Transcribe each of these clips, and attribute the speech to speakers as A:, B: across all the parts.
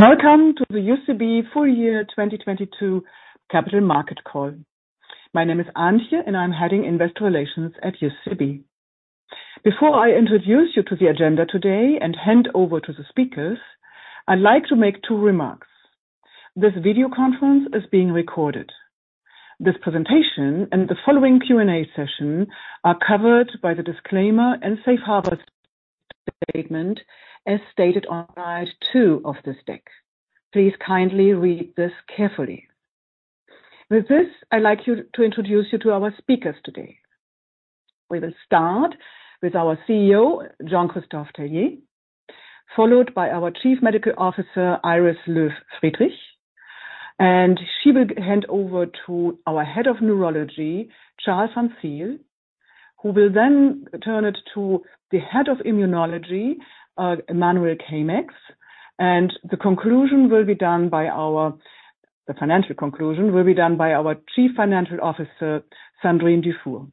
A: Welcome to the UCB full year 2022 capital market call. My name is Antje, and I'm heading Investor Relations at UCB. Before I introduce you to the agenda today and hand over to the speakers, I'd like to make two remarks. This video conference is being recorded. This presentation and the following Q&A session are covered by the disclaimer and Safe Harbor statement as stated on slide two of this deck. Please kindly read this carefully. With this, I'd like you to introduce you to our speakers today. We will start with our CEO, Jean-Christophe Tellier, followed by our Chief Medical Officer, Iris Loew-Friedrich, and she will hand over to our Head of Neurology, Charl van Zyl, who will then turn it to the Head of Immunology, Emmanuel Caeymaex. The conclusion will be done by our... The financial conclusion will be done by our Chief Financial Officer, Sandrine Dufour.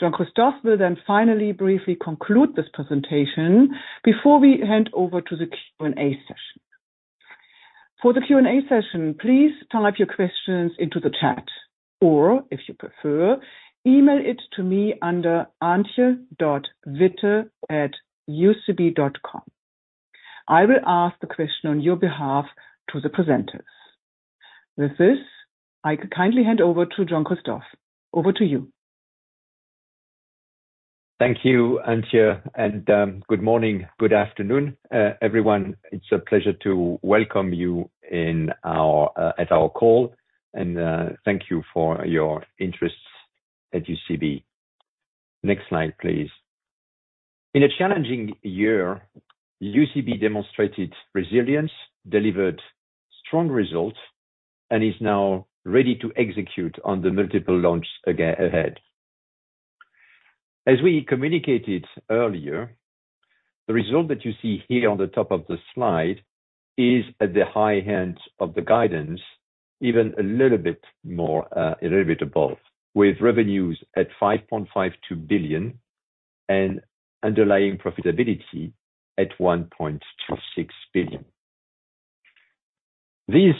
A: Jean-Christophe will finally briefly conclude this presentation before we hand over to the Q&A session. For the Q&A session, please type your questions into the chat, or if you prefer, email it to me under antje.witte@ucb.com. I will ask the question on your behalf to the presenters. With this, I kindly hand over to Jean-Christophe. Over to you.
B: Thank you, Antje. Good morning, good afternoon, everyone. It's a pleasure to welcome you at our call. Thank you for your interest at UCB. Next slide, please. In a challenging year, UCB demonstrated resilience, delivered strong results. Is now ready to execute on the multiple launch ahead. As we communicated earlier, the result that you see here on the top of the slide is at the high end of the guidance, even a little bit more, a little bit above, with revenues at 5.52 billion. Underlying profitability at 1.6 billion. These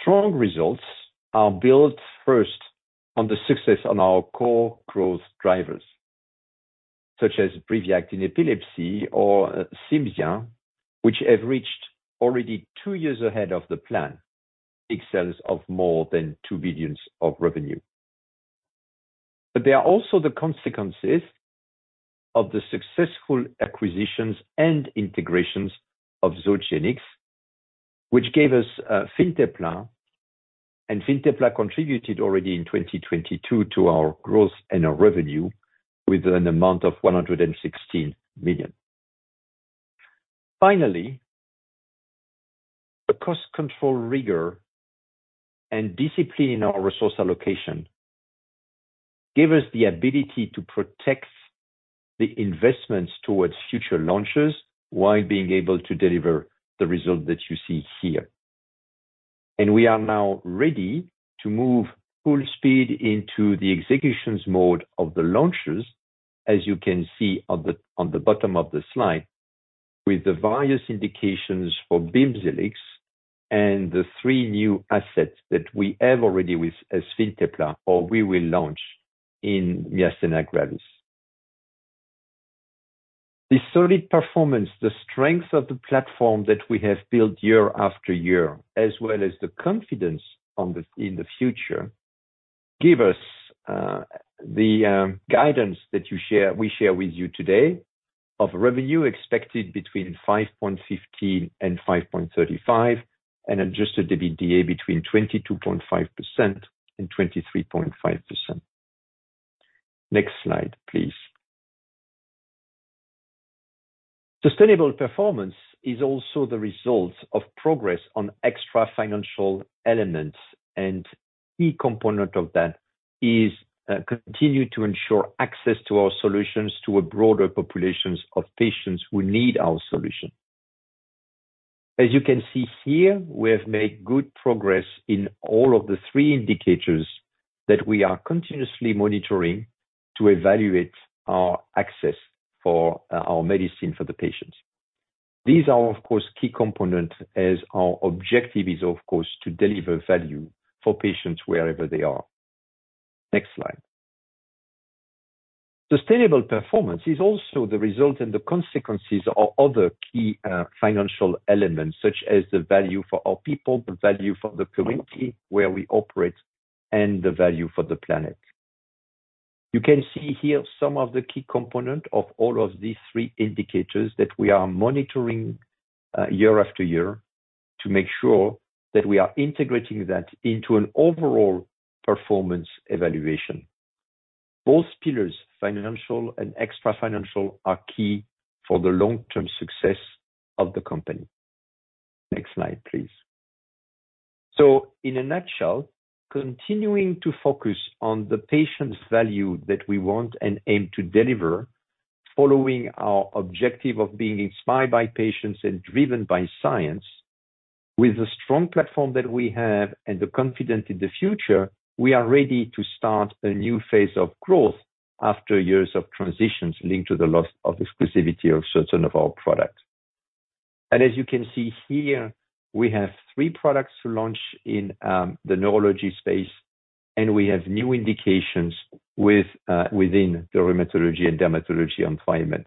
B: strong results are built first on the success on our core growth drivers, such as Briviact in epilepsy or CIMZIA, which have reached already two years ahead of the plan, excels of more than 2 billion of revenue. They are also the consequences of the successful acquisitions and integrations of Zogenix, which gave us Fintepla. Fintepla contributed already in 2022 to our growth and our revenue with an amount of 116 million. Finally, the cost control rigor and discipline in our resource allocation give us the ability to protect the investments towards future launches while being able to deliver the result that you see here. We are now ready to move full speed into the executions mode of the launches, as you can see on the bottom of the slide, with the various indications for Bimzelx and the three new assets that we have already with, as Fintepla, or we will launch in Myasthenia Gravis. The solid performance, the strength of the platform that we have built year after year, as well as the confidence on the in the future, give us the guidance that you share, we share with you today of revenue expected between 5.15 billion and 5.35 billion, and adjusted EBITDA between 22.5% and 23.5%. Next slide, please. Sustainable performance is also the result of progress on extra financial elements, and key component of that is, continue to ensure access to our solutions to a broader populations of patients who need our solution. As you can see here, we have made good progress in all of the three indicators that we are continuously monitoring to evaluate our access for our medicine for the patients. These are, of course, key component as our objective is, of course, to deliver value for patients wherever they are. Next slide. Sustainable performance is also the result and the consequences of other key financial elements, such as the value for our people, the value for the community where we operate, and the value for the planet. You can see here some of the key component of all of these three indicators that we are monitoring year after year to make sure that we are integrating that into an overall performance evaluation. Both pillars, financial and extra financial, are key for the long-term success of the company. Next slide, please. In a nutshell, continuing to focus on the patient's value that we want and aim to deliver, following our objective of being inspired by patients and driven by science, with the strong platform that we have and the confidence in the future, we are ready to start a new phase of growth. After years of transitions linked to the loss of exclusivity of certain of our products. As you can see here, we have three products to launch in the neurology space, and we have new indications with within the rheumatology and dermatology on ive meds.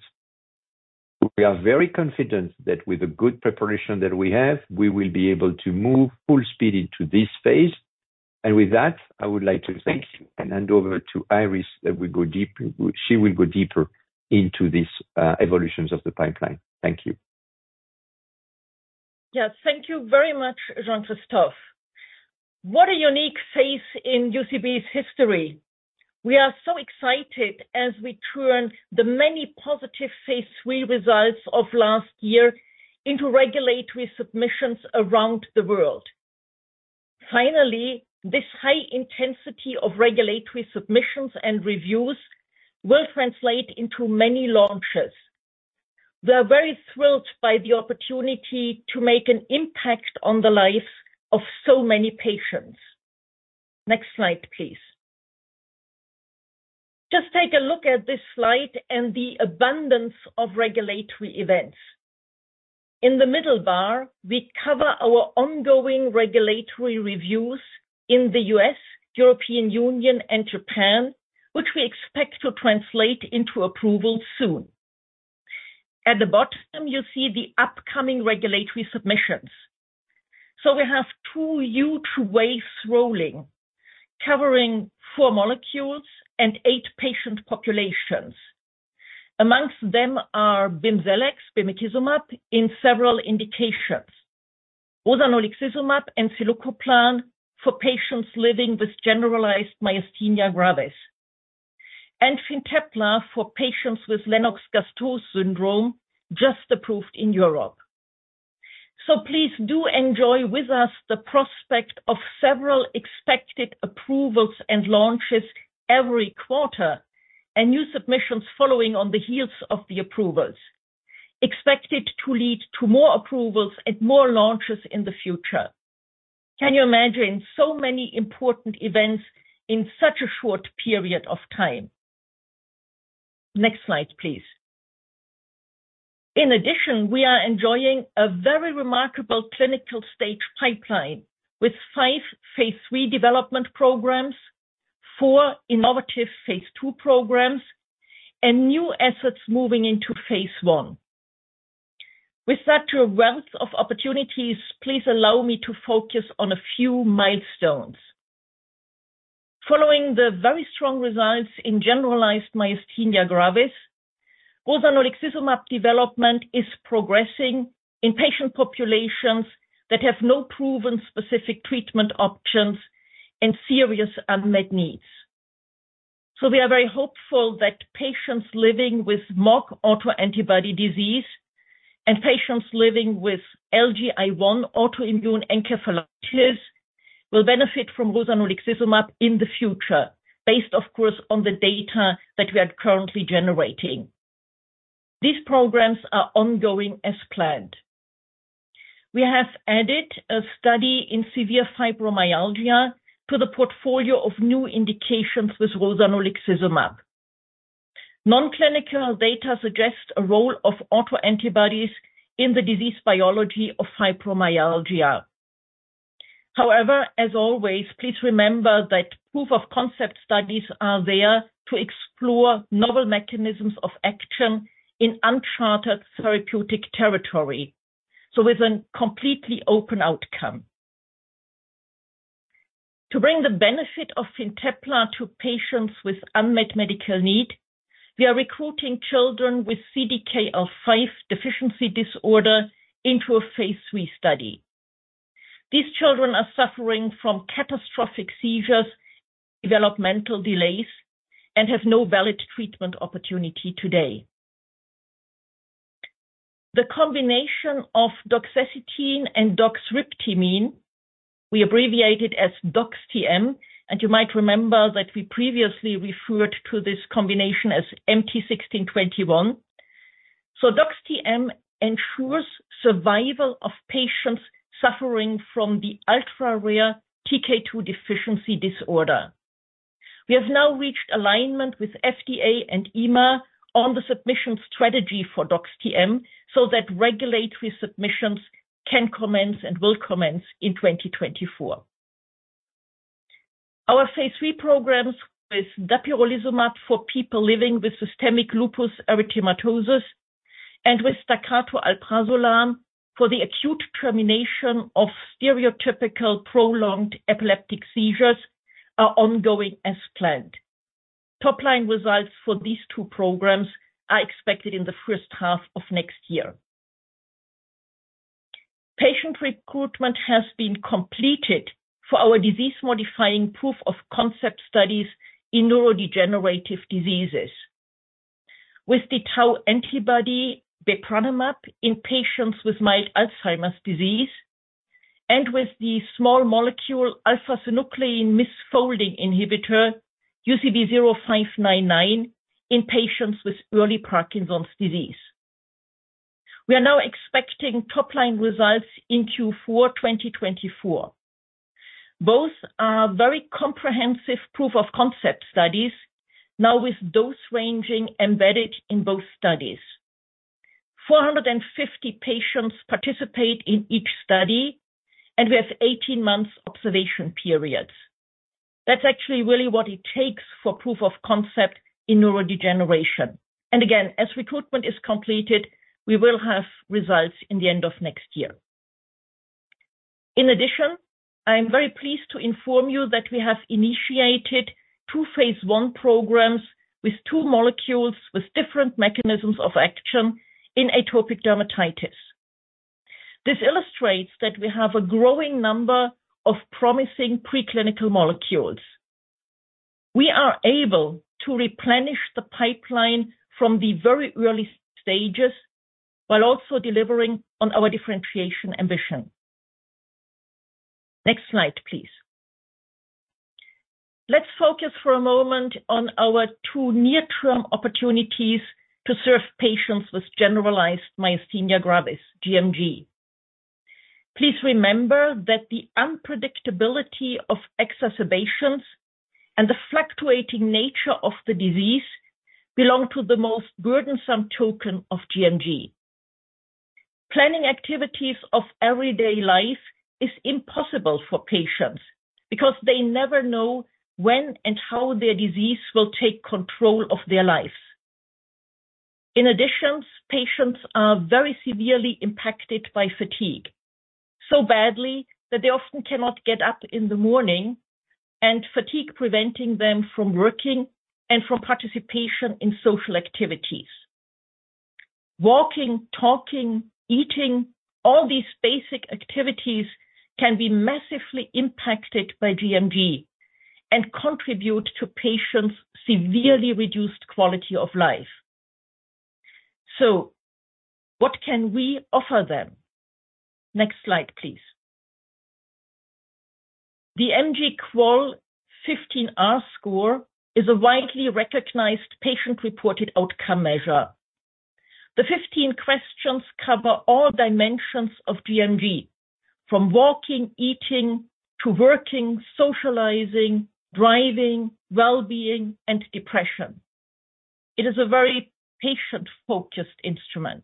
B: We are very confident that with the good preparation that we have, we will be able to move full speed into this phase. With that, I would like to thank you and hand over to Iris, she will go deeper into these evolutions of the pipeline. Thank you.
C: Yes. Thank you very much, Jean-Christophe. What a unique phase in UCB's history. We are so excited as we turn the many positive phase 3 results of last year into regulatory submissions around the world. This high intensity of regulatory submissions and reviews will translate into many launches. We are very thrilled by the opportunity to make an impact on the lives of so many patients. Next slide, please. Just take a look at this slide and the abundance of regulatory events. In the middle bar, we cover our ongoing regulatory reviews in the U.S., European Union and Japan, which we expect to translate into approval soon. At the bottom, you see the upcoming regulatory submissions. We have two huge waves rolling, covering four molecules and eight patient populations. Amongst them are Bimzelx, bimekizumab, in several indications. Rozanolixizumab and zilucoplan for patients living with generalized myasthenia gravis. Fintepla for patients with Lennox-Gastaut syndrome, just approved in Europe. Please do enjoy with us the prospect of several expected approvals and launches every quarter, and new submissions following on the heels of the approvals expected to lead to more approvals and more launches in the future. Can you imagine so many important events in such a short period of time? Next slide, please. In addition, we are enjoying a very remarkable clinical stage pipeline with five phase 3 development programs, four innovative phase 2 programs, and new efforts moving into phase 1. With such a wealth of opportunities, please allow me to focus on a few milestones. Following the very strong results in generalized myasthenia gravis, rozanolixizumab development is progressing in patient populations that have no proven specific treatment options and serious unmet needs. We are very hopeful that patients living with MOG autoantibody disease and patients living with LGI1 autoimmune encephalitis will benefit from rozanolixizumab in the future based, of course, on the data that we are currently generating. These programs are ongoing as planned. We have added a study in severe fibromyalgia to the portfolio of new indications with rozanolixizumab. Non-clinical data suggests a role of autoantibodies in the disease biology of fibromyalgia. However, as always, please remember that proof of concept studies are there to explore novel mechanisms of action in uncharted therapeutic territory, so with a completely open outcome. To bring the benefit of Fintepla to patients with unmet medical need, we are recruiting children with CDKL5 deficiency disorder into a phase three study. These children are suffering from catastrophic seizures, developmental delays, and have no valid treatment opportunity today. The combination of deoxycytidine and deoxythymidine, we abbreviate it as DOXTM. You might remember that we previously referred to this combination as MT-1621. DOXTM ensures survival of patients suffering from the ultra-rare Thymidine Kinase 2 deficiency. We have now reached alignment with FDA and EMA on the submission strategy for DOXTM, so that regulatory submissions can commence and will commence in 2024. Our phase 3 programs with dapirolizumab for people living with systemic lupus erythematosus and with Staccato Alprazolam for the acute termination of stereotypical prolonged epileptic seizures are ongoing as planned. Top-line results for these two programs are expected in the first half of next year. Patient recruitment has been completed for our disease-modifying proof of concept studies in neurodegenerative diseases. With the tau antibody bepranemab in patients with mild Alzheimer's disease and with the small molecule alpha-synuclein misfolding inhibitor, UCB0599, in patients with early Parkinson's disease. We are now expecting top-line results in Q4 2024. Both are very comprehensive proof-of-concept studies, now with dose ranging embedded in both studies. 450 patients participate in each study, and we have 18 months observation periods. That's actually really what it takes for proof of concept in neurodegeneration. Again, as recruitment is completed, we will have results in the end of next year. In addition, I am very pleased to inform you that we have initiated two phase I programs with two molecules with different mechanisms of action in atopic dermatitis. This illustrates that we have a growing number of promising preclinical molecules. We are able to replenish the pipeline from the very early stages while also delivering on our differentiation ambition. Next slide, please. Let's focus for a moment on our two near-term opportunities to serve patients with generalized Myasthenia Gravis, gMG. Please remember that the unpredictability of exacerbations and the fluctuating nature of the disease belong to the most burdensome token of gMG. Planning activities of everyday life is impossible for patients because they never know when and how their disease will take control of their life. In addition, patients are very severely impacted by fatigue, so badly that they often cannot get up in the morning and fatigue preventing them from working and from participation in social activities. Walking, talking, eating, all these basic activities can be massively impacted by gMG and contribute to patients' severely reduced quality of life. What can we offer them? Next slide, please. The MG-QOL15r score is a widely recognized patient-reported outcome measure. The 15 questions cover all dimensions of gMG, from walking, eating, to working, socializing, driving, well-being, and depression. It is a very patient-focused instrument.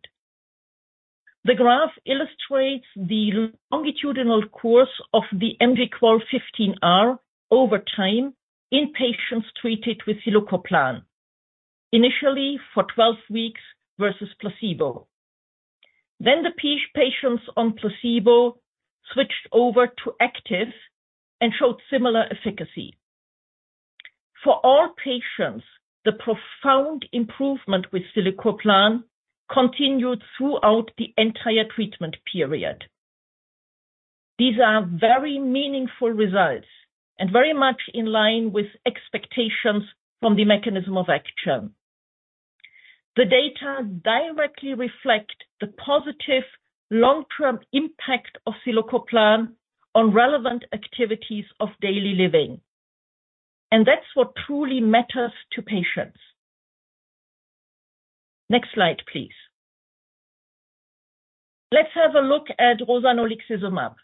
C: The graph illustrates the longitudinal course of the MG-QOL15r over time in patients treated with zilucoplan, initially for 12 weeks versus placebo. The patients on placebo switched over to active and showed similar efficacy. For all patients, the profound improvement with zilucoplan continued throughout the entire treatment period. These are very meaningful results and very much in line with expectations from the mechanism of action. The data directly reflect the positive long-term impact of zilucoplan on relevant activities of daily living. That's what truly matters to patients. Next slide, please. Let's have a look at rozanolixizumab.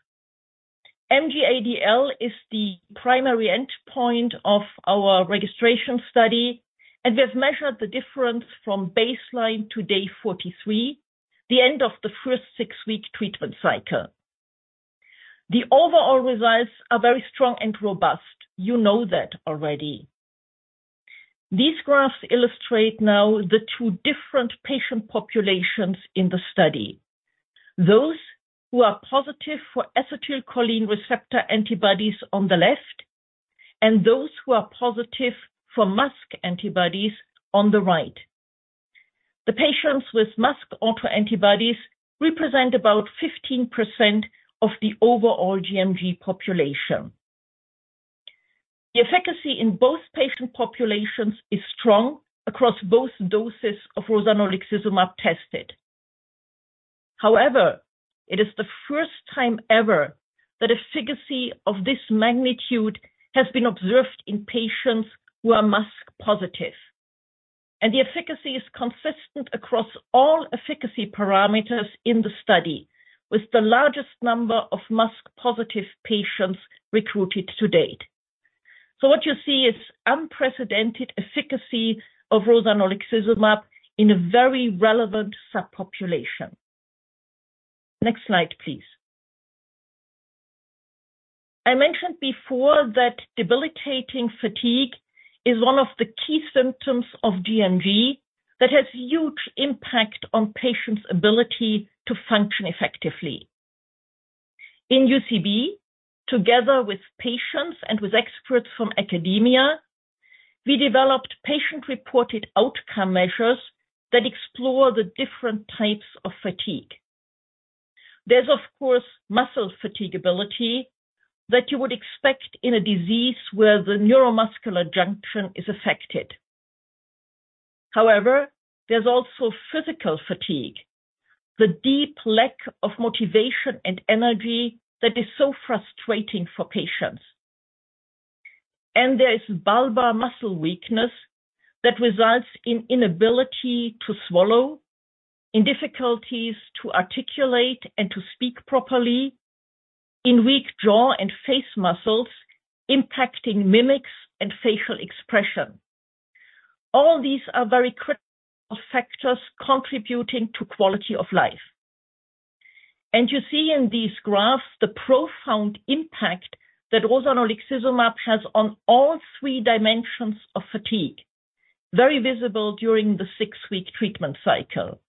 C: MG-ADL is the primary endpoint of our registration study, and we've measured the difference from baseline to day 43, the end of the first six-week treatment cycle. The overall results are very strong and robust. You know that already. These graphs illustrate now the two different patient populations in the study. Those who are positive for acetylcholine receptor antibodies on the left, and those who are positive for MuSK antibodies on the right. The patients with MuSK autoantibodies represent about 15% of the overall gMG population. The efficacy in both patient populations is strong across both doses of rozanolixizumab tested. However, it is the first time ever that efficacy of this magnitude has been observed in patients who are MuSK positive. The efficacy is consistent across all efficacy parameters in the study with the largest number of MuSK-positive patients recruited to date. What you see is unprecedented efficacy of rozanolixizumab in a very relevant subpopulation. Next slide, please. I mentioned before that debilitating fatigue is one of the key symptoms of gMG that has huge impact on patients' ability to function effectively. In UCB, together with patients and with experts from academia, we developed patient-reported outcome measures that explore the different types of fatigue. There's, of course, muscle fatiguability that you would expect in a disease where the neuromuscular junction is affected. However, there's also physical fatigue, the deep lack of motivation and energy that is so frustrating for patients. There is bulbar muscle weakness that results in inability to swallow, in difficulties to articulate and to speak properly, in weak jaw and face muscles impacting mimics and facial expression. All these are very critical factors contributing to quality of life. You see in these graphs the profound impact that rozanolixizumab has on all three dimensions of fatigue, very visible during the six-week treatment cycle.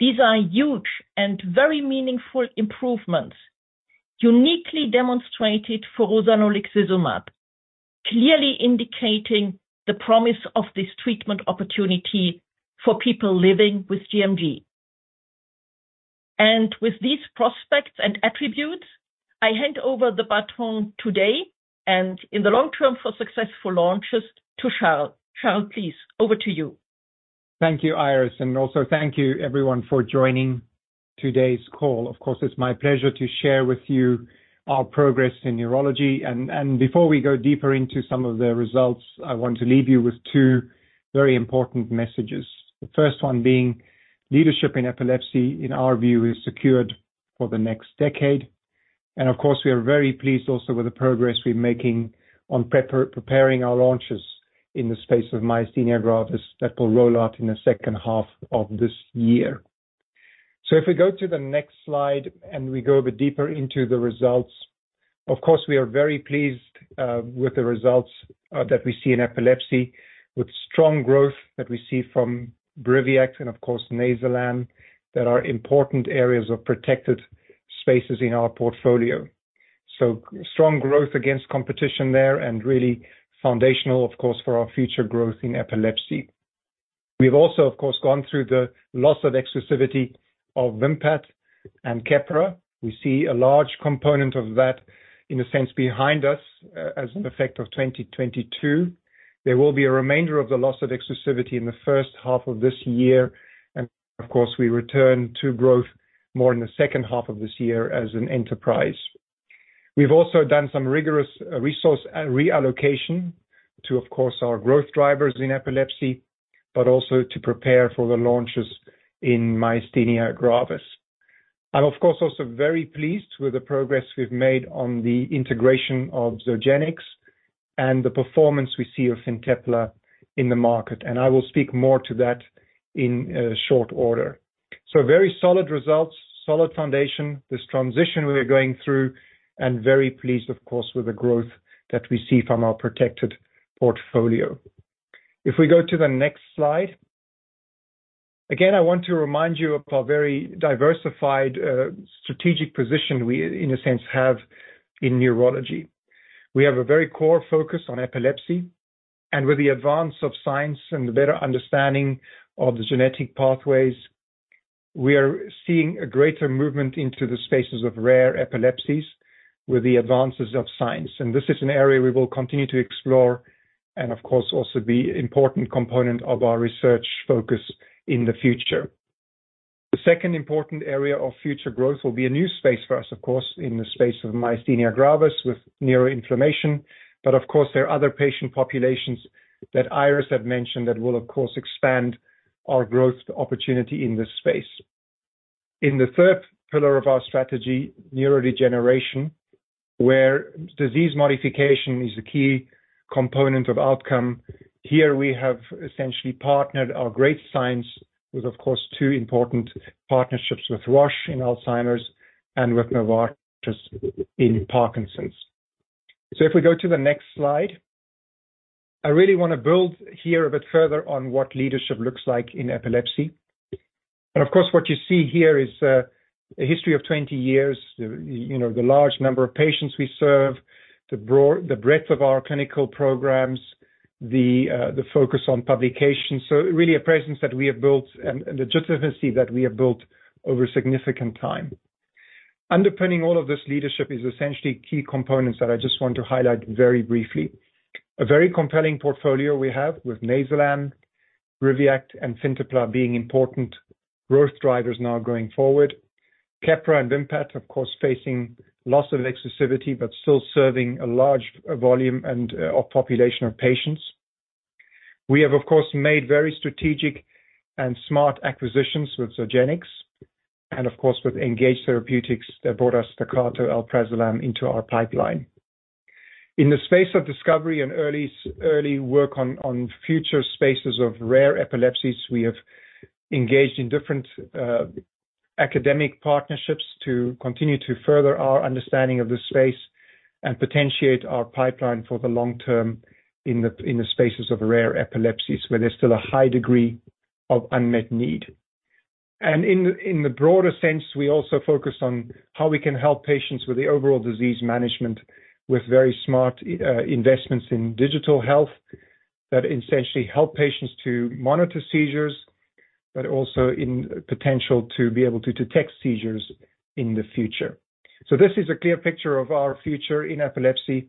C: These are huge and very meaningful improvements, uniquely demonstrated for rozanolixizumab, clearly indicating the promise of this treatment opportunity for people living with gMG. With these prospects and attributes, I hand over the baton today and in the long term for successful launches to Charles. Charles, please, over to you.
D: Thank you, Iris. Also thank you everyone for joining today's call. Of course, it's my pleasure to share with you our progress in neurology. Before we go deeper into some of the results, I want to leave you with two very important messages. The first one being leadership in epilepsy, in our view, is secured for the next decade. Of course, we are very pleased also with the progress we're making on preparing our launches in the space of Myasthenia Gravis that will roll out in the second half of this year. If we go to the next slide, and we go a bit deeper into the results. Of course, we are very pleased with the results that we see in epilepsy, with strong growth that we see from Briviact and of course Nayzilam, that are important areas of protected spaces in our portfolio. Strong growth against competition there and really foundational of course for our future growth in epilepsy. We've also, of course, gone through the loss of exclusivity of Vimpat and Keppra. We see a large component of that in a sense behind us as an effect of 2022. There will be a remainder of the loss of exclusivity in the first half of this year. Of course, we return to growth more in the second half of this year as an enterprise. We've also done some rigorous resource reallocation to, of course, our growth drivers in epilepsy, but also to prepare for the launches in Myasthenia Gravis. I'm of course, also very pleased with the progress we've made on the integration of Zogenix and the performance we see of Fintepla in the market, and I will speak more to that in short order. Very solid results, solid foundation, this transition we are going through, and very pleased, of course, with the growth that we see from our protected portfolio. If we go to the next slide. Again, I want to remind you of our very diversified strategic position we in a sense have in neurology. We have a very core focus on epilepsy, and with the advance of science and the better understanding of the genetic pathways, we are seeing a greater movement into the spaces of rare epilepsies with the advances of science. This is an area we will continue to explore and of course, also the important component of our research focus in the future. The second important area of future growth will be a new space for us, of course, in the space of Myasthenia Gravis with neuroinflammation. Of course, there are other patient populations that Iris have mentioned that will of course expand our growth opportunity in this space. In the third pillar of our strategy, neurodegeneration, where disease modification is a key component of outcome. Here we have essentially partnered our great science with of course two important partnerships with Roche in Alzheimer's and with Novartis in Parkinson's. If we go to the next slide. I really want to build here a bit further on what leadership looks like in epilepsy. Of course, what you see here is a history of 20 years, you know, the large number of patients we serve, the breadth of our clinical programs, the focus on publication. Really a presence that we have built and legitimacy that we have built over significant time. Underpinning all of this leadership is essentially key components that I just want to highlight very briefly. A very compelling portfolio we have with Nayzilam, Briviact, and Fintepla being important growth drivers now going forward. Keppra and Vimpat of course facing loss of exclusivity, but still serving a large volume and population of patients. We have of course made very strategic and smart acquisitions with Zogenix and of course with Engage Therapeutics that brought us Tacro, Alprazolam into our pipeline. In the space of discovery and early work on future spaces of rare epilepsies, we have engaged in different academic partnerships to continue to further our understanding of this space and potentiate our pipeline for the long term in the spaces of rare epilepsies, where there's still a high degree of unmet need. In the broader sense, we also focus on how we can help patients with the overall disease management with very smart investments in digital health that essentially help patients to monitor seizures, but also in potential to be able to detect seizures in the future. This is a clear picture of our future in epilepsy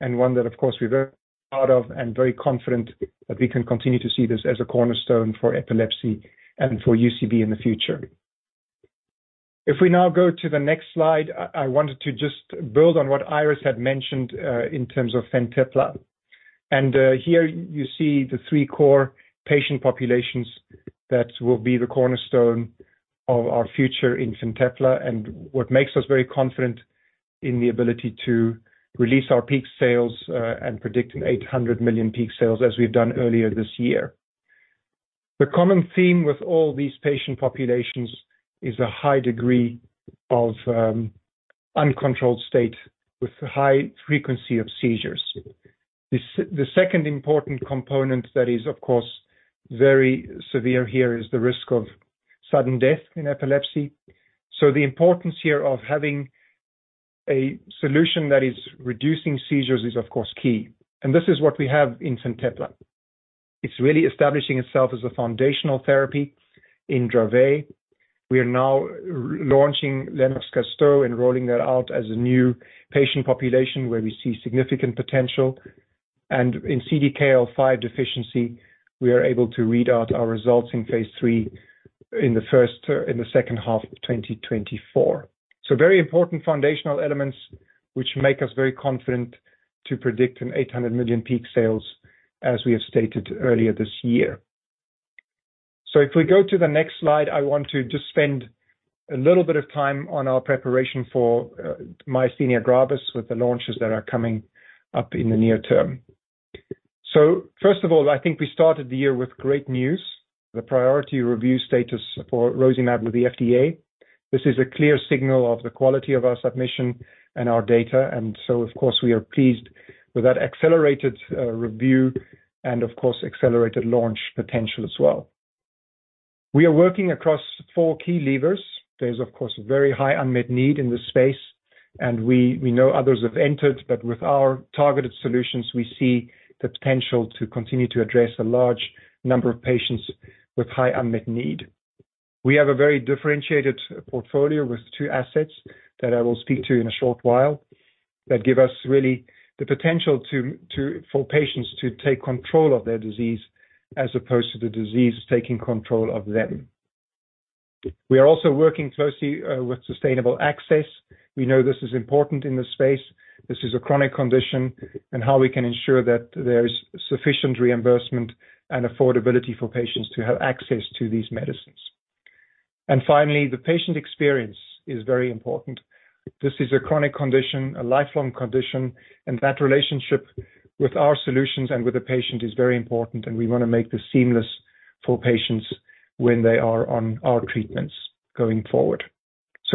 D: and one that of course we're very proud of and very confident that we can continue to see this as a cornerstone for epilepsy and for UCB in the future. If we now go to the next slide, I wanted to just build on what Iris had mentioned in terms of Fintepla. Here you see the three core patient populations that will be the cornerstone of our future in Fintepla and what makes us very confident in the ability to release our peak sales and predict an 800 million peak sales as we've done earlier this year. The common theme with all these patient populations is a high degree of uncontrolled state with a high frequency of seizures. The second important component that is, of course, very severe here is the risk of sudden death in epilepsy. The importance here of having a solution that is reducing seizures is of course key, and this is what we have in Fintepla. It's really establishing itself as a foundational therapy in Dravet. We are now re-launching Lennox-Gastaut and rolling that out as a new patient population where we see significant potential. And in CDKL5 deficiency, we are able to read out our results in phase three in the first in the second half of 2024. Very important foundational elements which make us very confident to predict an 800 million peak sales as we have stated earlier this year. If we go to the next slide, I want to just spend a little bit of time on our preparation for Myasthenia Gravis with the launches that are coming up in the near term. First of all, I think we started the year with great news, the priority review status for rozanolixizumab with the FDA. This is a clear signal of the quality of our submission and our data, of course, we are pleased with that accelerated review and of course, accelerated launch potential as well. We are working across four key levers. There's of course, a very high unmet need in this space, we know others have entered, but with our targeted solutions, we see the potential to continue to address a large number of patients with high unmet need. We have a very differentiated portfolio with two assets that I will speak to in a short while that give us really the potential to for patients to take control of their disease as opposed to the disease taking control of them. We are also working closely with sustainable access. We know this is important in this space. This is a chronic condition and how we can ensure that there is sufficient reimbursement and affordability for patients to have access to these medicines. Finally, the patient experience is very important. This is a chronic condition, a lifelong condition, and that relationship with our solutions and with the patient is very important, and we want to make this seamless for patients when they are on our treatments going forward.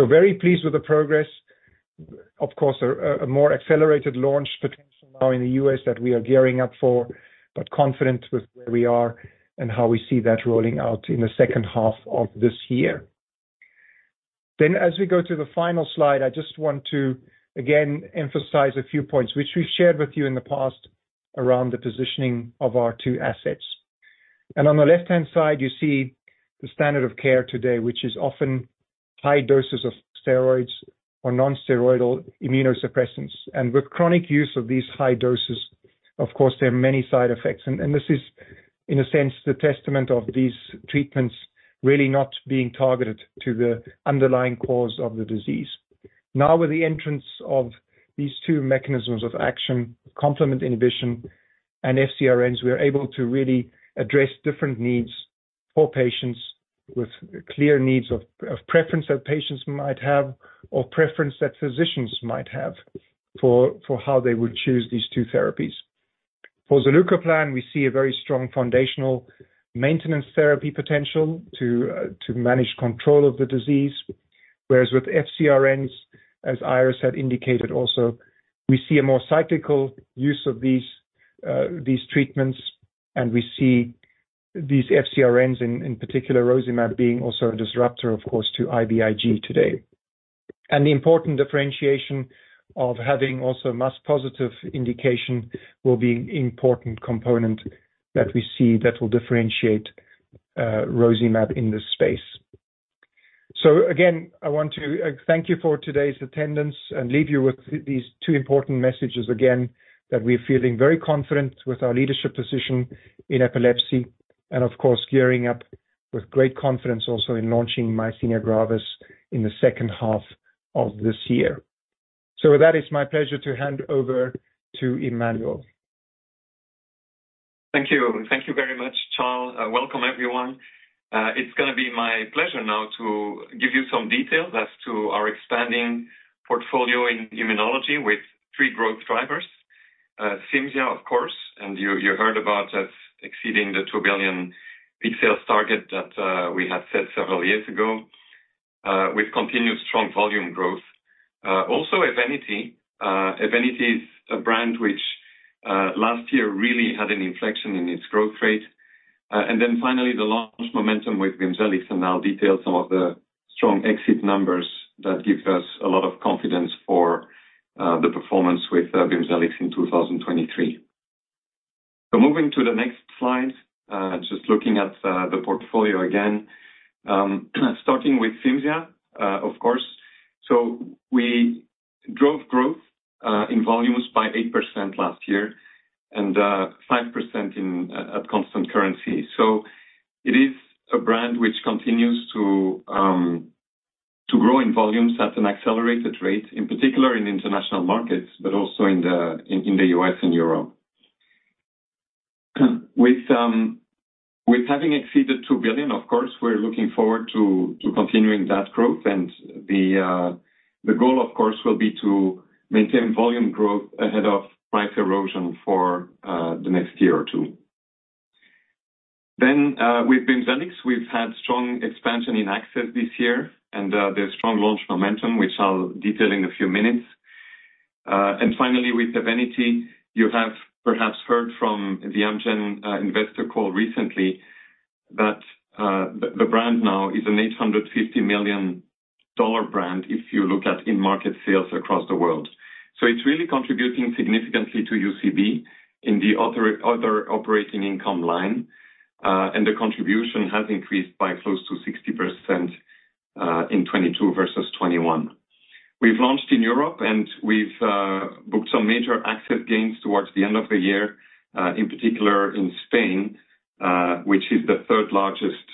D: Very pleased with the progress. Of course, a more accelerated launch potential now in the U.S. that we are gearing up for, but confident with where we are and how we see that rolling out in the second half of this year. As we go to the final slide, I just want to again emphasize a few points which we shared with you in the past around the positioning of our two assets. On the left-hand side, you see the standard of care today, which is often high doses of steroids or non-steroidal immunosuppressants. With chronic use of these high doses, of course, there are many side effects. This is in a sense the testament of these treatments really not being targeted to the underlying cause of the disease. With the entrance of these two mechanisms of action, complement inhibition and FcRns, we are able to really address different needs for patients with clear needs of preference that patients might have or preference that physicians might have for how they would choose these two therapies. For zilucoplan, we see a very strong foundational maintenance therapy potential to manage control of the disease. With FcRns, as Iris had indicated also, we see a more cyclical use of these treatments. We see these FcRns in particular rozanolixizumab being also a disruptor of course to IVIG today. The important differentiation of having also MuSK positive indication will be important component that we see that will differentiate rozanolixizumab in this space. Again, I want to thank you for today's attendance and leave you with these two important messages again, that we're feeling very confident with our leadership position in epilepsy and of course, gearing up with great confidence also in launching Myasthenia Gravis in the second half of this year. With that, it's my pleasure to hand over to Emmanuel.
E: Thank you. Thank you very much, Charles. Welcome everyone. It's gonna be my pleasure now to give you some details as to our expanding portfolio in immunology with three growth drivers. Cimzia of course, and you heard about us exceeding the two billion peak sales target that we had set several years ago, with continued strong volume growth. Also Evenity. Evenity is a brand which last year really had an inflection in its growth rate. Finally, the launch momentum with Bimzelx, and I'll detail some of the strong exit numbers that gives us a lot of confidence for the performance with Bimzelx in 2023. Moving to the next slide, just looking at the portfolio again. Starting with CIMZIA, of course, we drove growth in volumes by 8% last year and 5% at constant currency. It is a brand which continues to grow in volumes at an accelerated rate, in particular in international markets, but also in the U.S. and Europe. With having exceeded two billion, of course, we're looking forward to continuing that growth. The goal, of course, will be to maintain volume growth ahead of price erosion for the next year or two. With Bimzelx, we've had strong expansion in access this year and there's strong launch momentum, which I'll detail in a few minutes. Finally, with Evenity, you have perhaps heard from the Amgen investor call recently that the brand now is an $850 million brand if you look at in-market sales across the world. It's really contributing significantly to UCB in the other operating income line. The contribution has increased by close to 60% in 2022 versus 2021. We've launched in Europe, we've booked some major access gains towards the end of the year, in particular in Spain, which is the third-largest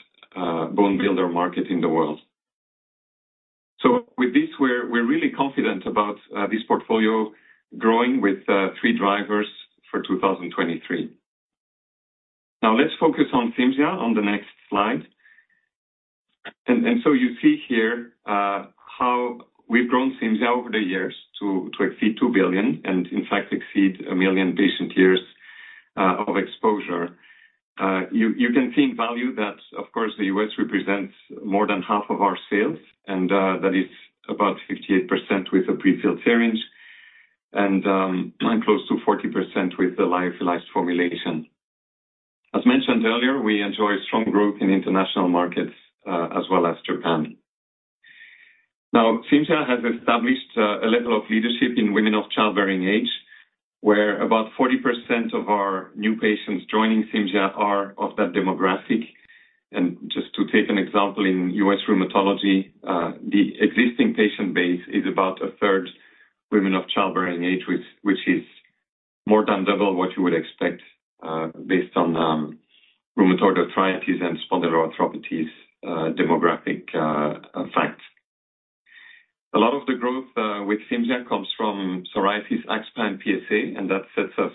E: bone builder market in the world. With this, we're really confident about this portfolio growing with three drivers for 2023. Let's focus on Cimzia on the next slide. You see here how we've grown Cimzia over the years to exceed 2 billion and in fact exceed one million patient years of exposure. You can see in value that, of course, the U.S. represents more than half of our sales, that is about 58% with the prefilled syringe and close to 40% with the lyophilized formulation. As mentioned earlier, we enjoy strong growth in international markets as well as Japan. Cimzia has established a level of leadership in women of childbearing age, where about 40% of our new patients joining Cimzia are of that demographic. Just to take an example in US rheumatology, the existing patient base is about 1/3 women of childbearing age, which is more than double what you would expect, based on rheumatoid arthritis and spondyloarthropathies, demographic facts. A lot of the growth with Cimzia comes from psoriasis axSpA, and that sets us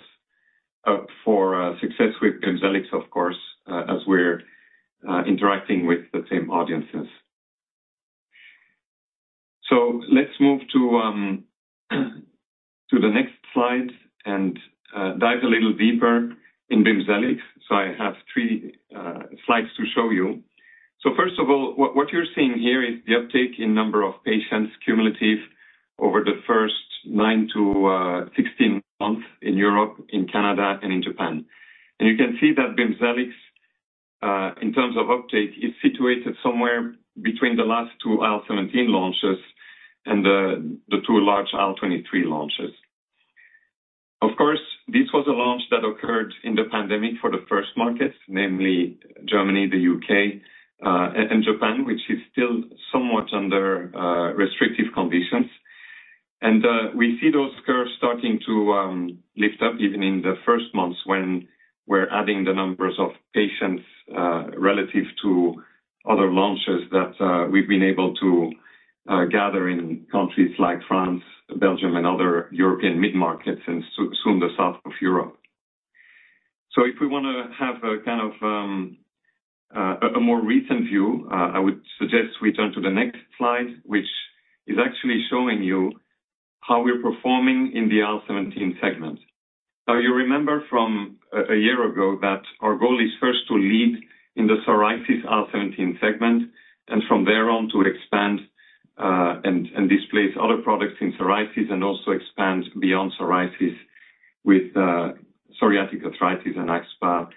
E: up for success with Bimzelx, of course, as we're interacting with the same audiences. Let's move to the next slide and dive a little deeper in Bimzelx. I have three slides to show you. First of all, what you're seeing here is the uptake in number of patients cumulative over the first nine-16 months in Europe, in Canada and in Japan. You can see that Bimzelx, in terms of uptake, is situated somewhere between the last 2 IL-17 launches and the 2 large IL-23 launches. Of course, this was a launch that occurred in the pandemic for the first markets, namely Germany, the U.K., and Japan, which is still somewhat under restrictive conditions. We see those curves starting to lift up even in the first months when we're adding the numbers of patients relative to other launches that we've been able to gather in countries like France, Belgium and other European mid-markets, and soon the south of Europe. If we wanna have a kind of a more recent view, I would suggest we turn to the next slide, which is actually showing you how we're performing in the IL-17 segment. You remember from a year ago that our goal is first to lead in the psoriasis IL-17 segment and from there on to expand and displace other products in psoriasis and also expand beyond psoriasis with psoriatic arthritis and axSpA,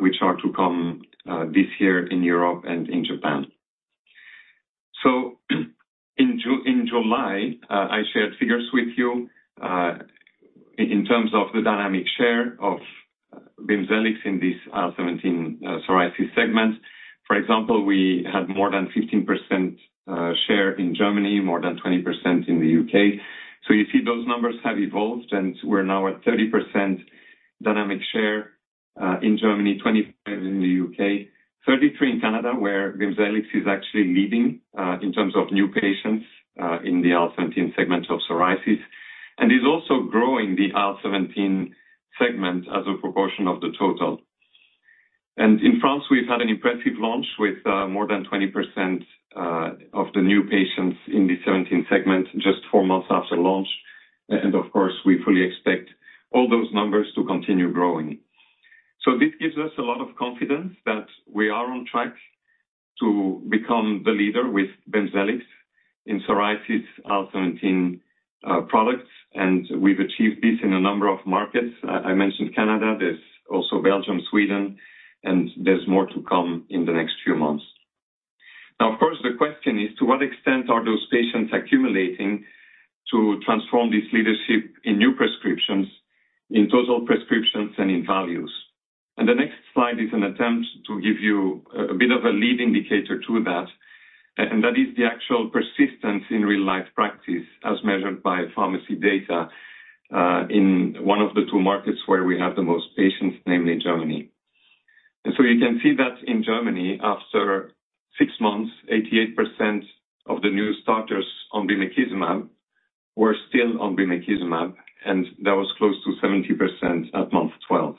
E: which are to come this year in Europe and in Japan. In July, I shared figures with you in terms of the dynamic share of Bimzelx in this IL-17 psoriasis segment. For example, we had more than 15% share in Germany, more than 20% in the U.K. You see those numbers have evolved, and we're now at 30% dynamic share in Germany, 25% in the U.K, 33% in Canada, where Bimzelx is actually leading in terms of new patients in the IL-17 segment of psoriasis. Is also growing the IL-17 segment as a proportion of the total. In France, we've had an impressive launch with more than 20% of the new patients in the 17 segment just four months after launch. Of course, we fully expect all those numbers to continue growing. This gives us a lot of confidence that we are on track to become the leader with Bimzelx in psoriasis IL-17 products, and we've achieved this in a number of markets. I mentioned Canada. There's also Belgium, Sweden, and there's more to come in the next few months. Now, of course, the question is: to what extent are those patients accumulating to transform this leadership in new prescriptions, in total prescriptions and in values? The next slide is an attempt to give you a bit of a lead indicator to that. That is the actual persistence in real-life practice as measured by pharmacy data, in one of the two markets where we have the most patients, namely Germany. You can see that in Germany, after six months, 88% of the new starters on bimekizumab were still on bimekizumab, and that was close to 70% at month 12.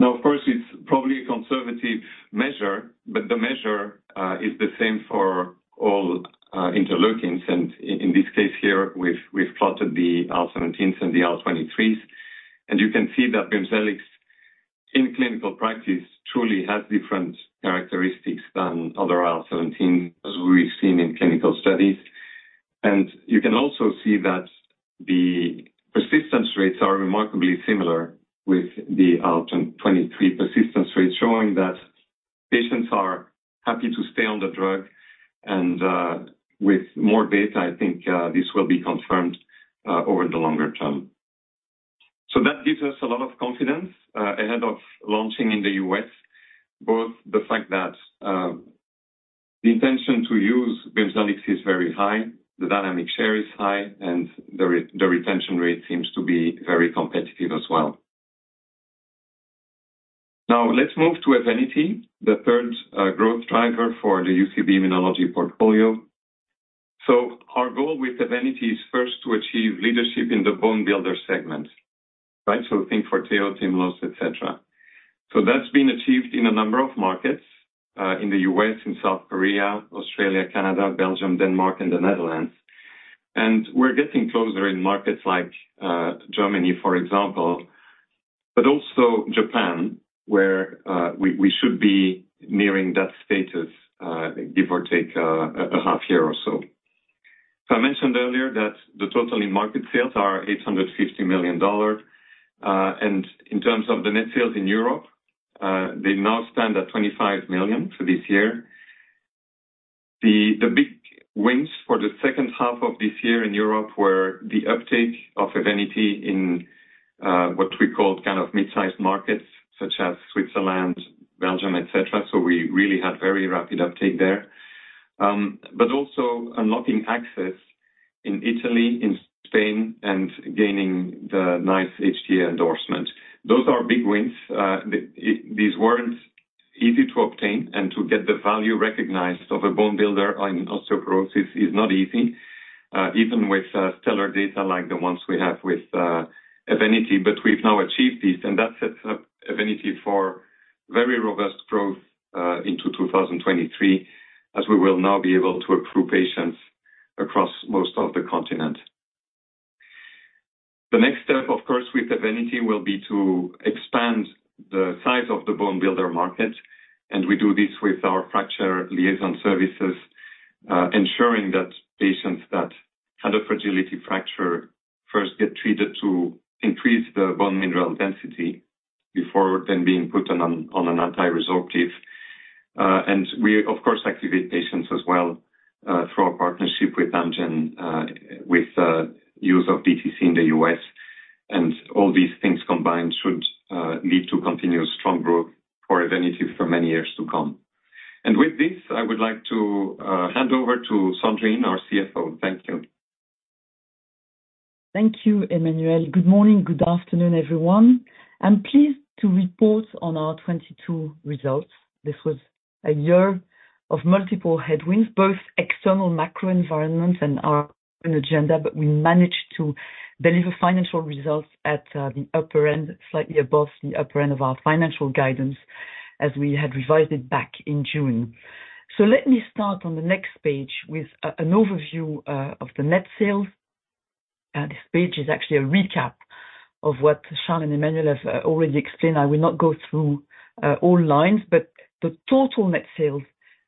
E: Now, of course, it's probably a conservative measure, but the measure is the same for all interleukins. In this case here, we've plotted the IL-17s and the IL-23s, and you can see that Bimzelx in clinical practice truly has different characteristics than other IL-17, as we've seen in clinical studies. You can also see that the persistence rates are remarkably similar with the IL-23 persistence rate, showing that patients are happy to stay on the drug. With more data, I think this will be confirmed over the longer term. That gives us a lot of confidence ahead of launching in the U.S., both the fact that the intention to use Bimzelx is very high, the dynamic share is high, and the retention rate seems to be very competitive as well. Now let's move to Evenity, the third growth driver for the UCB immunology portfolio. Our goal with Evenity is first to achieve leadership in the bone builder segment, right? Think Forteo, Tymlos, et cetera. That's been achieved in a number of markets in the U.S. and South Korea, Australia, Canada, Belgium, Denmark, and the Netherlands. We're getting closer in markets like Germany, for example, but also Japan, where we should be nearing that status, give or take, a half year or so. I mentioned earlier that the total in-market sales are $850 million. In terms of the net sales in Europe, they now stand at $25 million for this year. The big wins for the second half of this year in Europe were the uptake of Evenity in what we call kind of mid-sized markets such as Switzerland, Belgium, et cetera. We really had very rapid uptake there. But also unlocking access in Italy, in Spain, and gaining the NICE HTA endorsement. Those are big wins. These weren't easy to obtain, to get the value recognized of a bone builder on osteoporosis is not easy, even with stellar data like the ones we have with Evenity. We've now achieved this, that sets up Evenity for very robust growth into 2023, as we will now be able to accrue patients across most of the continent. The next step, of course, with Evenity will be to expand the size of the bone builder market, we do this with our Fracture Liaison Services, ensuring that patients that had a fragility fracture first get treated to increase their bone mineral density before then being put on an anti-resorptive. We of course activate patients as well, through our partnership with Amgen, with use of DTC in the U.S. All these things combined should lead to continuous strong growth for Evenity for many years to come. With this, I would like to hand over to Sandrine, our CFO. Thank you.
F: Thank you, Emmanuel. Good morning, good afternoon, everyone. I'm pleased to report on our 22 results. This was a year of multiple headwinds, both external macro environment and our own agenda. We managed to deliver financial results at the upper end, slightly above the upper end of our financial guidance as we had revised it back in June. Let me start on the next page with an overview of the net sales. This page is actually a recap of what Charles and Emmanuel have already explained. I will not go through all lines. The total net sales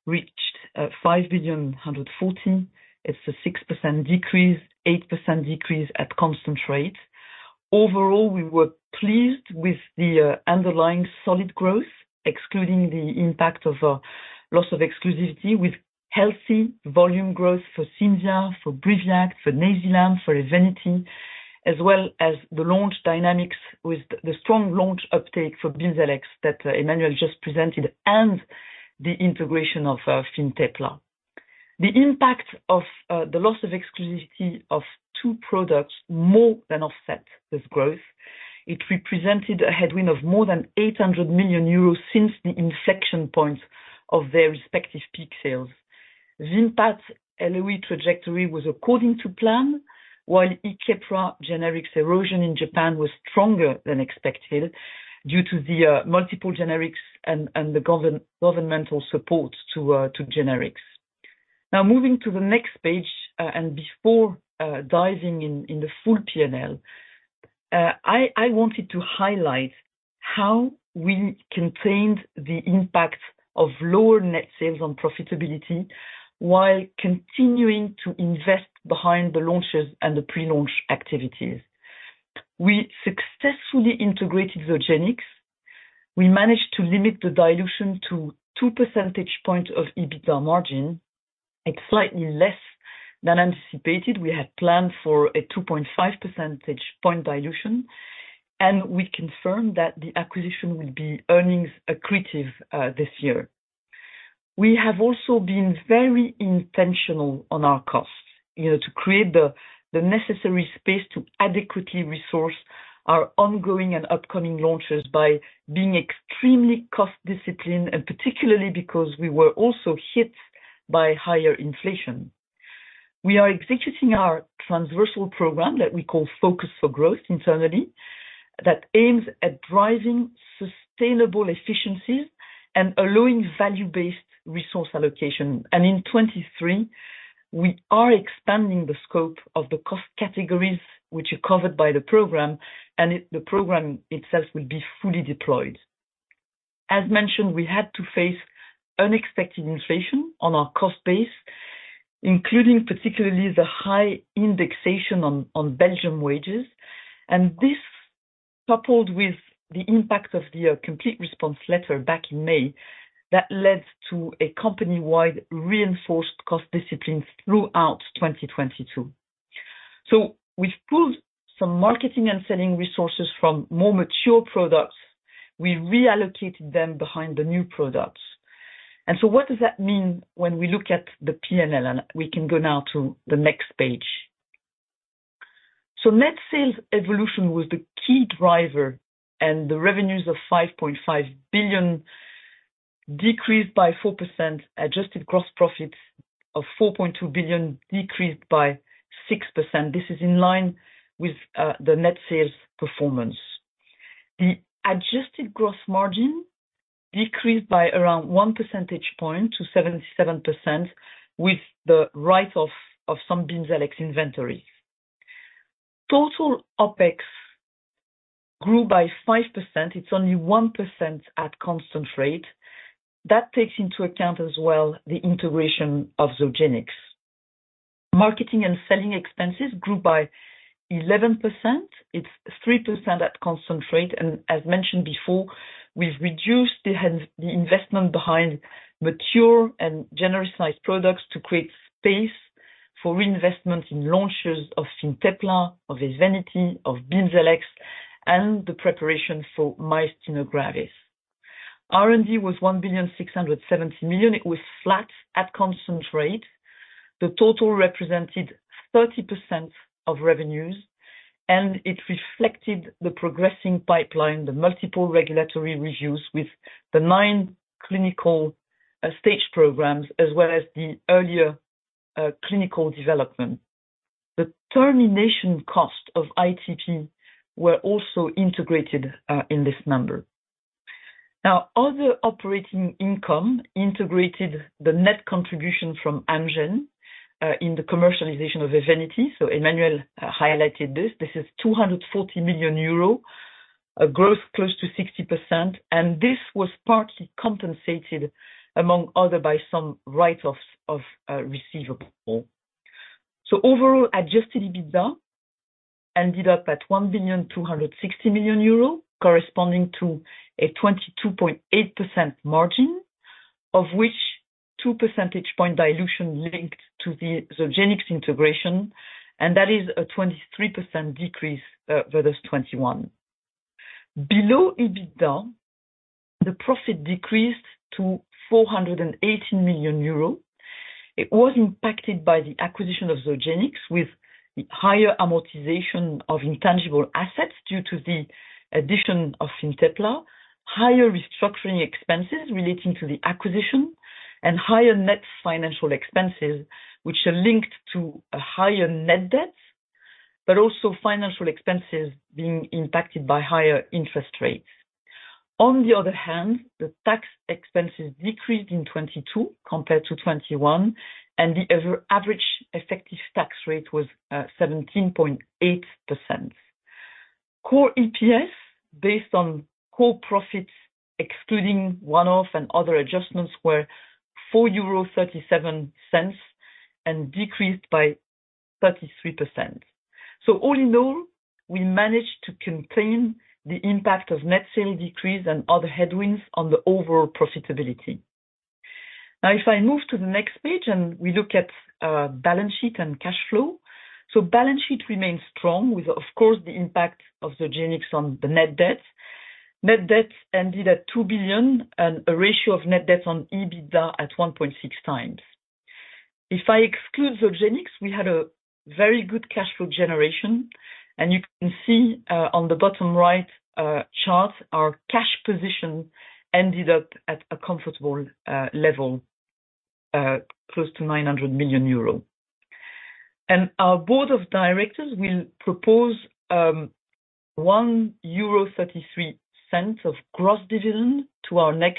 F: reached 5,114 million. It's a 6% decrease, 8% decrease at constant rate. Overall, we were pleased with the underlying solid growth, excluding the impact of loss of exclusivity, with healthy volume growth for Cimzia, for Briviact, for Nayzilam, for Evenity, as well as the launch dynamics with the strong launch uptake for Bimzelx that Emmanuel just presented, and the integration of Fintepla. The impact of the loss of exclusivity of two products more than offset this growth. It represented a headwind of more than 800 million euros since the inflection points of their respective peak sales. Vimpat LOE trajectory was according to plan, while Keppra generics erosion in Japan was stronger than expected due to the multiple generics and the governmental support to generics. Moving to the next page, before diving in the full P&L, I wanted to highlight how we contained the impact of lower net sales on profitability while continuing to invest behind the launches and the pre-launch activities. We successfully integrated Zogenix. We managed to limit the dilution to 2% points of EBITDA margin. It's slightly less than anticipated. We had planned for a 2.5% point dilution. We confirm that the acquisition will be earnings accretive this year. We have also been very intentional on our costs, you know, to create the necessary space to adequately resource our ongoing and upcoming launches by being extremely cost discipline, particularly because we were also hit by higher inflation. We are executing our transversal program that we call Focus for Growth internally, that aims at driving sustainable efficiencies and allowing value-based resource allocation. In 2023, we are expanding the scope of the cost categories which are covered by the program, the program itself will be fully deployed. As mentioned, we had to face unexpected inflation on our cost base, including particularly the high indexation on Belgium wages. This, coupled with the impact of the Complete Response Letter back in May, that led to a company-wide reinforced cost discipline throughout 2022. We've pulled some marketing and selling resources from more mature products. We reallocated them behind the new products. What does that mean when we look at the P&L? We can go now to the next page. Net sales evolution was the key driver, and the revenues of 5.5 billion decreased by 4%. Adjusted gross profits of 4.2 billion decreased by 6%. This is in line with the net sales performance. The adjusted gross margin decreased by around 1% point to 77% with the write-off of some Bimzelx inventory. Total OpEx grew by 5%. It's only 1% at constant rate. That takes into account as well the integration of Zogenix. Marketing and selling expenses grew by 11%. It's 3% at constant rate. As mentioned before, we've reduced the investment behind mature and genericized products to create space for reinvestment in launches of Fintepla, of Evenity, of Bimzelx, and the preparation for Myasthenia Gravis. R&D was 1.67 billion. It was flat at constant rate. The total represented 30% of revenues. It reflected the progressing pipeline, the multiple regulatory reviews with the nine clinical stage programs, as well as the earlier clinical development. The termination cost of ITP were also integrated in this number. Other operating income integrated the net contribution from Amgen in the commercialization of Evenity. Emmanuel highlighted this. This is 240 million euro, a growth close to 60%. This was partly compensated, among other, by some write-offs of receivable. Overall, adjusted EBITDA ended up at 1.26 billion euros, corresponding to a 22.8% margin, of which 2% point dilution linked to the Zogenix integration. That is a 23% decrease versus 2021. Below EBITDA, the profit decreased to 418 million euros. It was impacted by the acquisition of Zogenix, with higher amortization of intangible assets due to the addition of Fintepla, higher restructuring expenses relating to the acquisition, and higher net financial expenses, which are linked to a higher net debt, but also financial expenses being impacted by higher interest rates. On the other hand, the tax expenses decreased in 2022 compared to 2021, and the average effective tax rate was 17.8%. Core EPS, based on core profits excluding one-off and other adjustments, were 4.37 euro and decreased by 33%. All in all, we managed to contain the impact of net sale decrease and other headwinds on the overall profitability. If I move to the next page and we look at balance sheet and cash flow. Balance sheet remains strong with, of course, the impact of Zogenix on the net debt. Net debt ended at 2 billion and a ratio of net debt on EBITDA at 1.6 times. If I exclude Zogenix, we had a very good cash flow generation, and you can see on the bottom right chart, our cash position ended up at a comfortable level, close to 900 million euro. Our board of directors will propose 1.33 euro of gross dividend to our next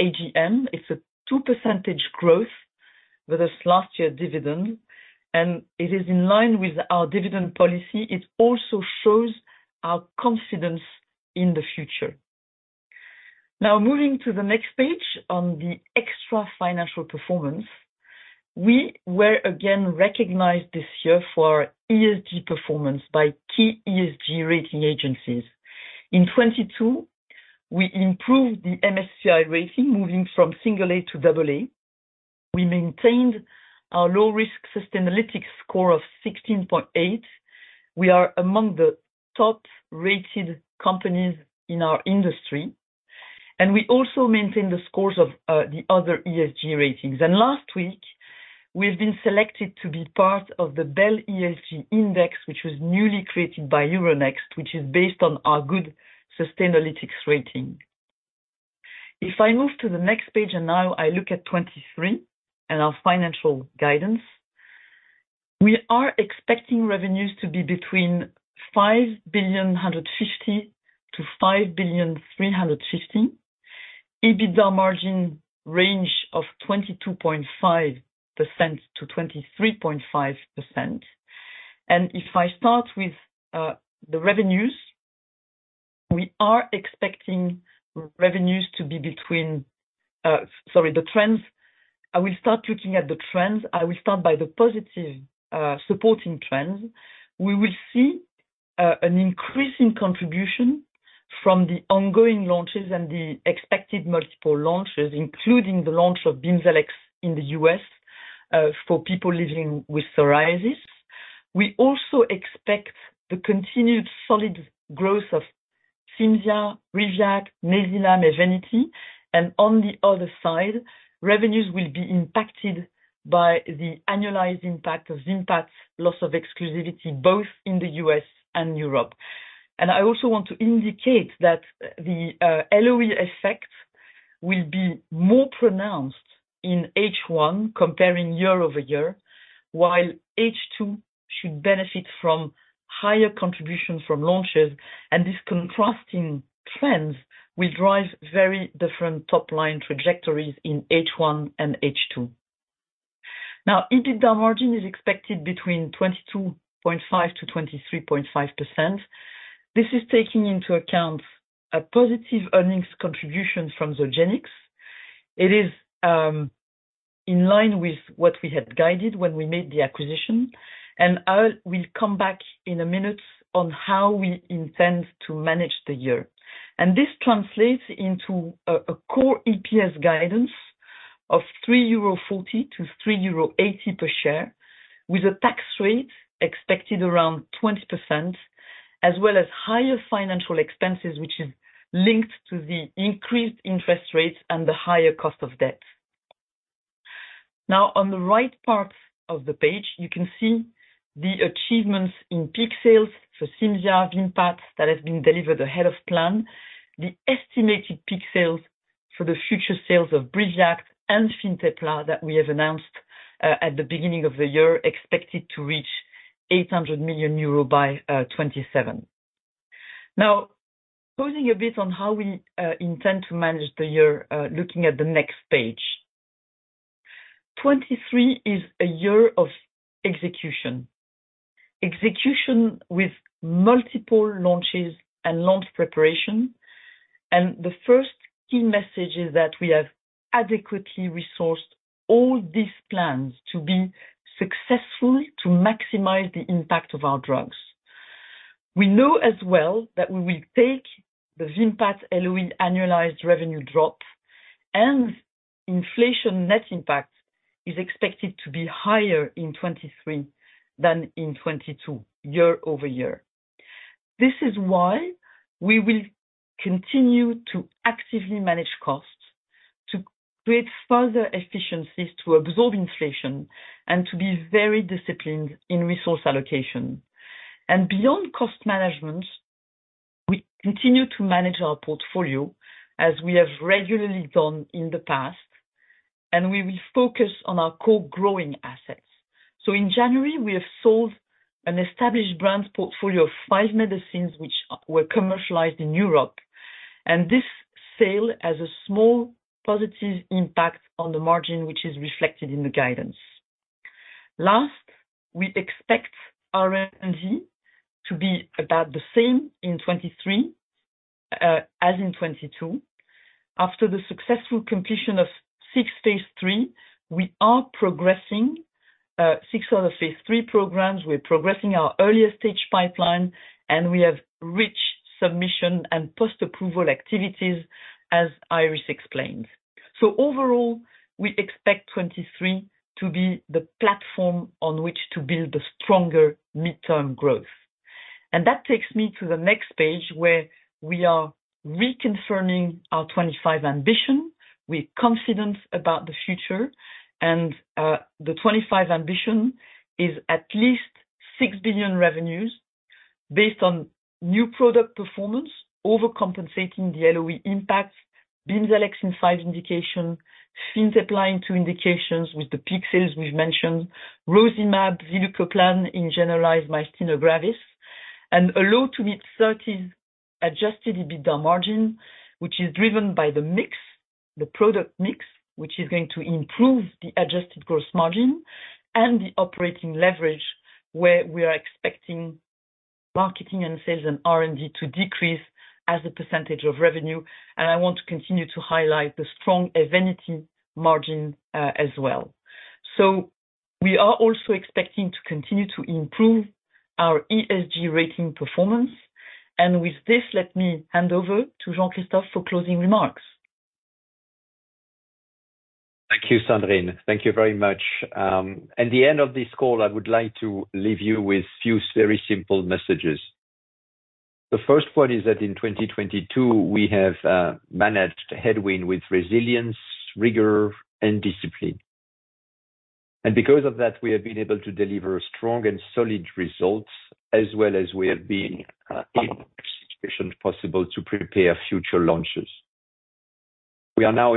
F: AGM. It's a 2% growth versus last year dividend, and it is in line with our dividend policy. It also shows our confidence in the future. Moving to the next page on the extra financial performance. We were again recognized this year for our ESG performance by key ESG rating agencies. In 2022, we improved the MSCI rating, moving from A - AA. We maintained our low-risk Sustainalytics score of 16.8. We are among the top-rated companies in our industry, and we also maintain the scores of the other ESG ratings. Last week, we've been selected to be part of the BEL ESG Index, which was newly created by Euronext, which is based on our good Sustainalytics rating. If I move to the next page, I now look at 2023 and our financial guidance. We are expecting revenues to be between 5 billion 150 million-EUR 5 billion 350 million. EBITDA margin range of 22.5%-23.5%. If I start with the revenues, I will start looking at the trends. I will start by the positive, supporting trends. We will see an increase in contribution from the ongoing launches and the expected multiple launches, including the launch of Bimzelx in the U.S., for people living with psoriasis. We also expect the continued solid growth of Cimzia, Briviact, Nayzilam, Evenity. On the other side, revenues will be impacted by the annualized impact of Vimpat's loss of exclusivity, both in the U.S. and Europe. I also want to indicate that the LOE effect will be more pronounced in H1 comparing year-over-year, while H2 should benefit from higher contribution from launches. These contrasting trends will drive very different top-line trajectories in H1 and H2. Now, EBITDA margin is expected between 22.5%-23.5%. This is taking into account a positive earnings contribution from Zogenix. It is in line with what we had guided when we made the acquisition. I will come back in a minute on how we intend to manage the year. This translates into a Core EPS guidance of 3.40 euro - 3.80 euro per share, with a tax rate expected around 20%, as well as higher financial expenses, which is linked to the increased interest rates and the higher cost of debt. On the right part of the page, you can see the achievements in peak sales for Cimzia, Vimpat that has been delivered ahead of plan, the estimated peak sales for the future sales of Briviact and Fintepla that we have announced at the beginning of the year, expected to reach 800 million euro by 2027. Now, pausing a bit on how we intend to manage the year, looking at the next page. 2023 is a year of execution. Execution with multiple launches and launch preparation. The first key message is that we have adequately resourced all these plans to be successful to maximize the impact of our drugs. We know as well that we will take the Vimpat LOE annualized revenue drop and inflation net impact is expected to be higher in 2023 than in 2022 year-over-year. This is why we will continue to actively manage costs to create further efficiencies, to absorb inflation, and to be very disciplined in resource allocation. Beyond cost management, we continue to manage our portfolio as we have regularly done in the past, and we will focus on our core growing assets. In January, we have sold an established brands portfolio of five medicines which were commercialized in Europe, and this sale has a small positive impact on the margin, which is reflected in the guidance. Last, we expect R&D to be about the same in 2023 as in 2022. After the successful completion of six phase 3, we are progressing six other phase 3 programs. We're progressing our earlier stage pipeline, and we have reached submission and post-approval activities, as Iris explained. Overall, we expect 2023 to be the platform on which to build a stronger midterm growth. That takes me to the next page, where we are reconfirming our 2025 ambition. We're confident about the future. The 2025 ambition is at least 6 billion revenues based on new product performance, overcompensating the LOE impacts, Bimzelx in five indications, Fintepla in two indications with the peak sales we've mentioned, rozanolixizumab, zilucoplan in generalized myasthenia gravis, and a low-to-mid 30s adjusted EBITDA margin, which is driven by the mix, the product mix, which is going to improve the adjusted gross margin and the operating leverage, where we are expecting marketing and sales and R&D to decrease as a percentage of revenue. I want to continue to highlight the strong Evenity margin as well. We are also expecting to continue to improve our ESG rating performance. With this, let me hand over to Jean-Christophe for closing remarks.
B: Thank you, Sandrine. Thank you very much. At the end of this call, I would like to leave you with few very simple messages. The first one is that in 2022, we have managed headwind with resilience, rigor, and discipline. Because of that, we have been able to deliver strong and solid results as well as we have been in a situation possible to prepare future launches. We are now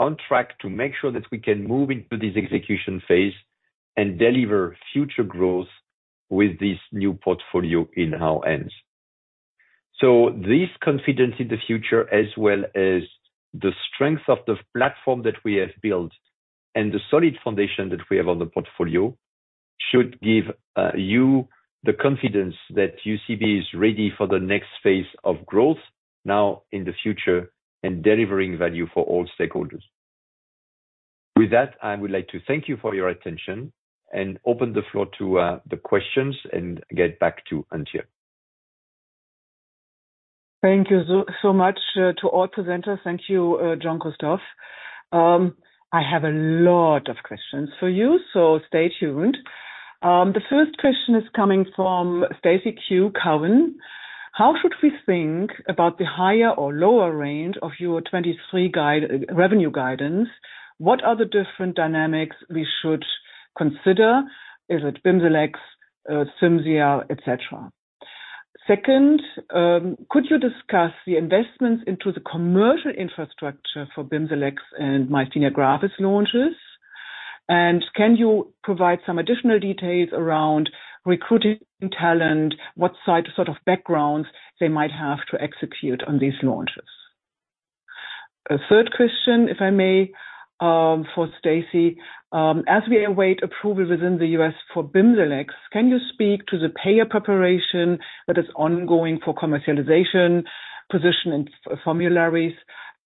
B: on track to make sure that we can move into this execution phase and deliver future growth with this new portfolio in our hands. This confidence in the future as well as the strength of the platform that we have built and the solid foundation that we have on the portfolio should give you the confidence that UCB is ready for the next phase of growth now in the future and delivering value for all stakeholders. With that, I would like to thank you for your attention and open the floor to the questions and get back to Antje.
A: Thank you so much to all presenters. Thank you, Jean-Christophe. I have a lot of questions for you, stay tuned. The first question is coming from Stacy Ku. How should we think about the higher or lower range of your 23 guide, revenue guidance? What are the different dynamics we should consider? Is it Bimzelx, Cimzia, et cetera? Second, could you discuss the investments into the commercial infrastructure for Bimzelx and Myasthenia Gravis launches? Can you provide some additional details around recruiting talent, what side sort of backgrounds they might have to execute on these launches? A third question, if I may, for Stacy Ku. As we await approval within the U.S. for Bimzelx, can you speak to the payer preparation that is ongoing for commercialization, position in formularies,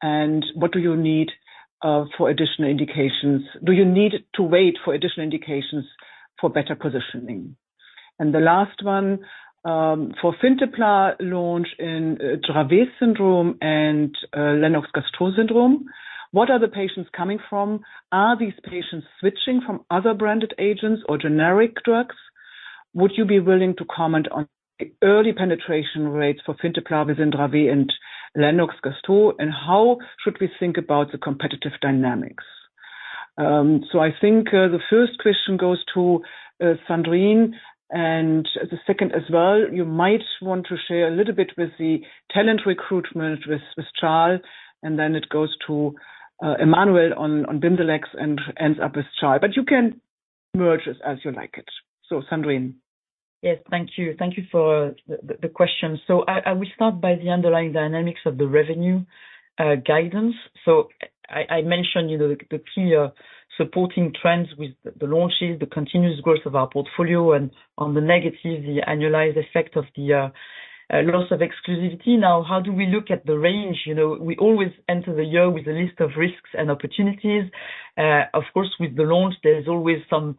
A: and what do you need for additional indications? Do you need to wait for additional indications for better positioning? The last one, for Fintepla launch in Dravet syndrome and Lennox-Gastaut syndrome, what are the patients coming from? Are these patients switching from other branded agents or generic drugs? Would you be willing to comment on early penetration rates for Fintepla within Dravet and Lennox-Gastaut? How should we think about the competitive dynamics? I think the first question goes to Sandrine, and the second as well. You might want to share a little bit with the talent recruitment with Charles, and then it goes to Emmanuel on Bimzelx and ends up with Charles. You can merge as you like it. Sandrine.
F: Yes. Thank you. Thank you for the question. I will start by the underlying dynamics of the revenue guidance. I mentioned, you know, the clear supporting trends with the launches, the continuous growth of our portfolio and on the negative, the annualized effect of the loss of exclusivity. How do we look at the range? You know, we always enter the year with a list of risks and opportunities. Of course, with the launch, there's always some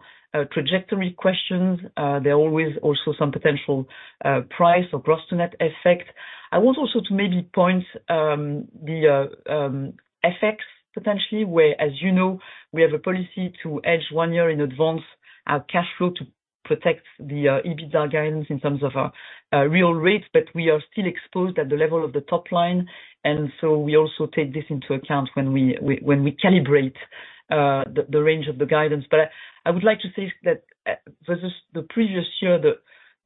F: trajectory questions. There are always also some potential price or gross to net effect. I want also to maybe point the effects potentially, where, as you know, we have a policy to hedge one year in advance our cash flow to protect the EBITDA guidance in terms of real rates, but we are still exposed at the level of the top line. We also take this into account when we calibrate the range of the guidance. I would like to say that versus the previous year,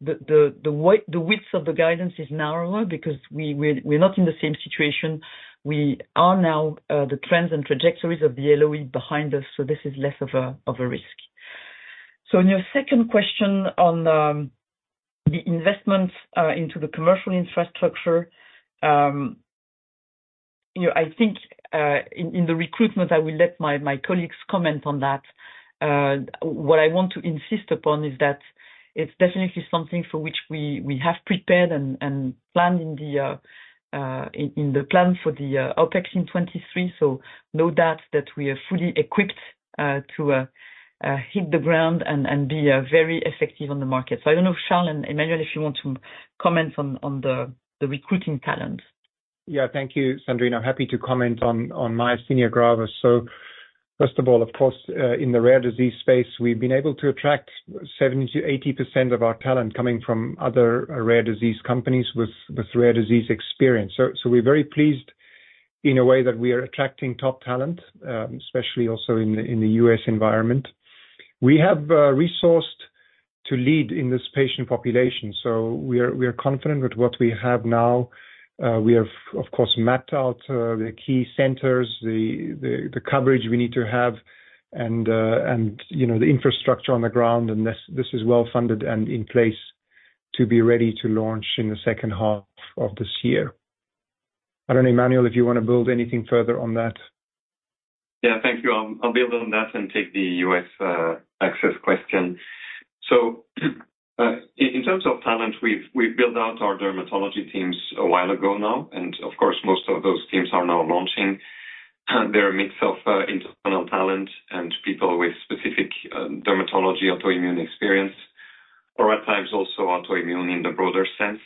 F: the width of the guidance is narrower because we're not in the same situation. We are now the trends and trajectories of the LOE behind us, so this is less of a risk. On your second question on the investments into the commercial infrastructure, you know, I think in the recruitment, I will let my colleagues comment on that. What I want to insist upon is that it's definitely something for which we have prepared and planned in the plan for the OpEx in 23. No doubt that we are fully equipped to hit the ground and be very effective on the market. I don't know if Charles and Emmanuel, if you want to comment on the recruiting talent.
D: Thank you, Sandrine. I'm happy to comment on myasthenia gravis. First of all, of course, in the rare disease space, we've been able to attract 70% - 80% of our talent coming from other rare disease companies with rare disease experience. We're very pleased in a way that we are attracting top talent, especially also in the US environment. We have resourced to lead in this patient population, we're confident with what we have now. We have, of course, mapped out the key centers, the coverage we need to have and, you know, the infrastructure on the ground. This is well-funded and in place to be ready to launch in the second half of this year. I don't know, Emmanuel, if you wanna build anything further on that.
E: Yeah. Thank you. I'll build on that and take the US access question. In, in terms of talent, we've built out our dermatology teams a while ago now, and of course, most of those teams are now launching. They're a mix of internal talent and people with specific dermatology autoimmune experience, or at times also autoimmune in the broader sense.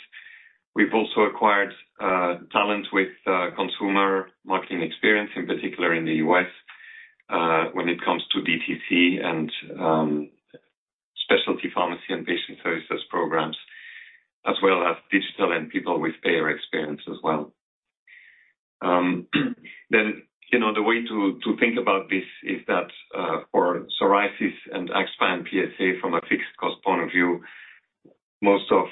E: We've also acquired talent with consumer marketing experience, in particular in the U.S., when it comes to DTC and specialty pharmacy and patient services programs, as well as digital and people with payer experience as well. You know, the way to think about this is that for psoriasis and axSpA and PSA from a fixed cost point of view, most of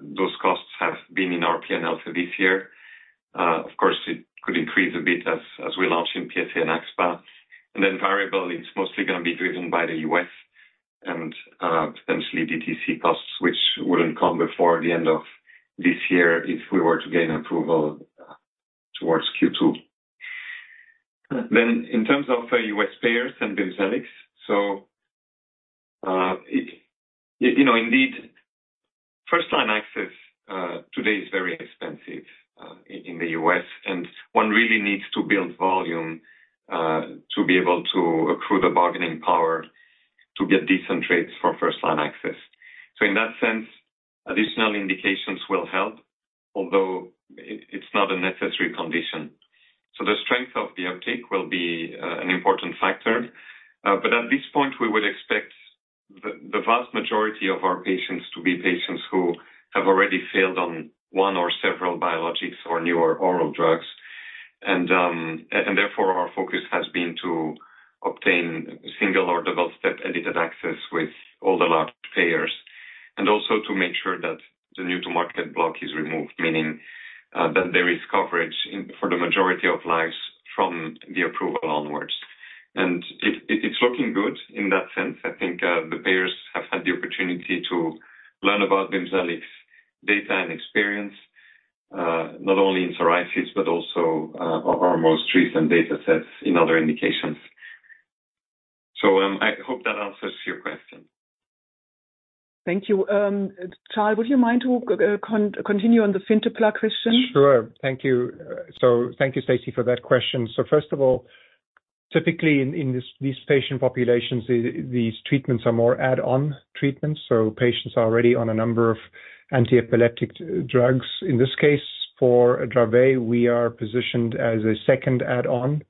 E: those costs have been in our P&L for this year. Of course, it could increase a bit as we launch in PSA and axSpA. Then variable, it's mostly gonna be driven by the U.S. and potentially DTC costs, which wouldn't come before the end of this year if we were to gain approval towards Q2. In terms of US payers and Bimzelx. You know, indeed, first line access today is very expensive in the U.S., and one really needs to build volume to be able to accrue the bargaining power to get decent rates for first line access. In that sense, additional indications will help, although it's not a necessary condition. The strength of the uptake will be an important factor. At this point, we would expect the vast majority of our patients to be patients who have already failed on one or several biologics or newer oral drugs. Therefore, our focus has been to obtain single or double step edited access with all the large payers. Also to make sure that the new to market block is removed, meaning that there is coverage for the majority of lives from the approval onwards. It's looking good in that sense. I think the payers have had the opportunity to learn about Bimzelx data and experience, not only in psoriasis, but also our most recent data sets in other indications. I hope that answers your question.
A: Thank you. Charles, would you mind to continue on the Fintepla question?
D: Thank you, Stacey, for that question. First of all, typically in this, these patient populations, these treatments are more add-on treatments, so patients are already on a number of antiepileptic drugs. In this case, for Dravet, we are positioned as a second add-on,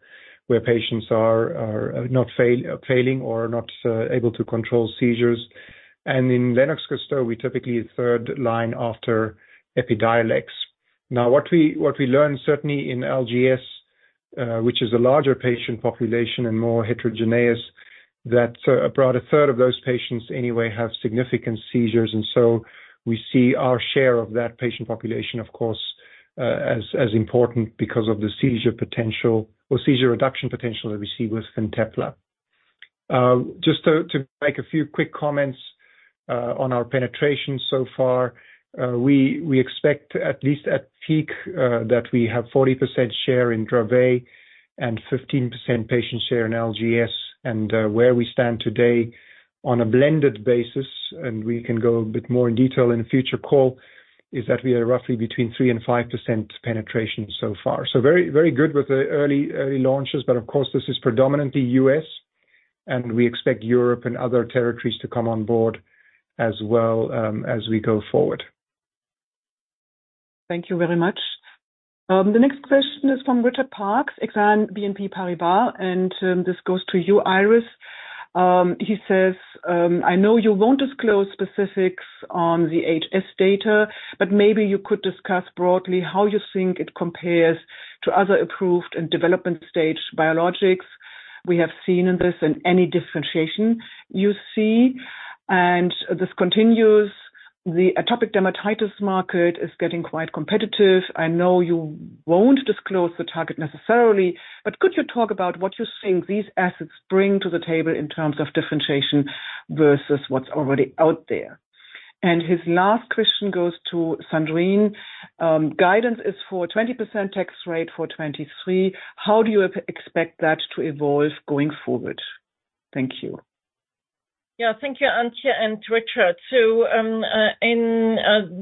D: where patients are not failing or not able to control seizures. In Lennox-Gastaut, we're typically third line after Epidiolex. What we learned, certainly in LGS, which is a larger patient population and more heterogeneous, that about a third of those patients anyway have significant seizures. We see our share of that patient population, of course, as important because of the seizure potential or seizure reduction potential that we see with Fintepla. Just to make a few quick comments on our penetration so far. We expect at least at peak, that we have 40% share in Dravet and 15% patient share in LGS. Where we stand today on a blended basis, and we can go a bit more in detail in a future call, is that we are roughly between 3% and 5% penetration so far. Very, very good with the early launches. Of course, this is predominantly U.S., and we expect Europe and other territories to come on board as well, as we go forward.
A: Thank you very much. The next question is from Richard Parkes, Exane BNP Paribas, this goes to you, Iris. He says, "I know you won't disclose specifics on the HS data, but maybe you could discuss broadly how you think it compares to other approved and development stage biologics we have seen in this and any differentiation you see." This continues, "The atopic dermatitis market is getting quite competitive. I know you won't disclose the target necessarily, but could you talk about what you think these assets bring to the table in terms of differentiation versus what's already out there?" His last question goes to Sandrine. "Guidance is for a 20% tax rate for 2023. How do you expect that to evolve going forward? Thank you.
C: Yeah. Thank you, Antje and Richard. In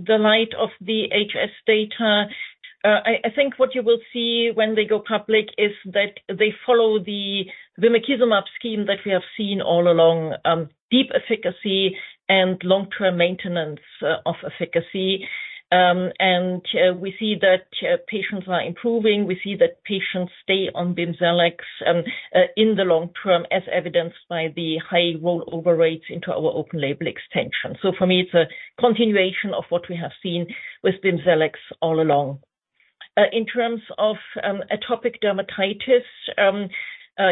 C: the light of the HS data, I think what you will see when they go public is that they follow the bimekizumab scheme that we have seen all along, deep efficacy and long-term maintenance of efficacy. We see that patients are improving. We see that patients stay on Bimzelx in the long term, as evidenced by the high rollover rates into our open label extension. For me, it's a continuation of what we have seen with Bimzelx all along. In terms of atopic dermatitis,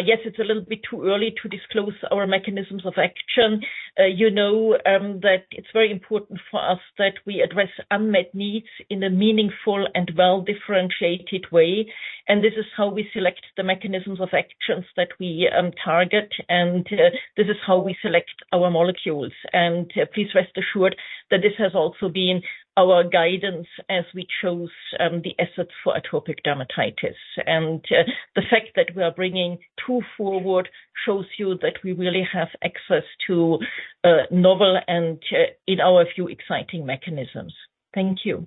C: yes, it's a little bit too early to disclose our mechanisms of action. You know, that it's very important for us that we address unmet needs in a meaningful and well-differentiated way. This is how we select the mechanisms of actions that we target. This is how we select our molecules. Please rest assured that this has also been our guidance as we chose the assets for atopic dermatitis. The fact that we are bringing two forward shows you that we really have access to novel and, in our view, exciting mechanisms. Thank you.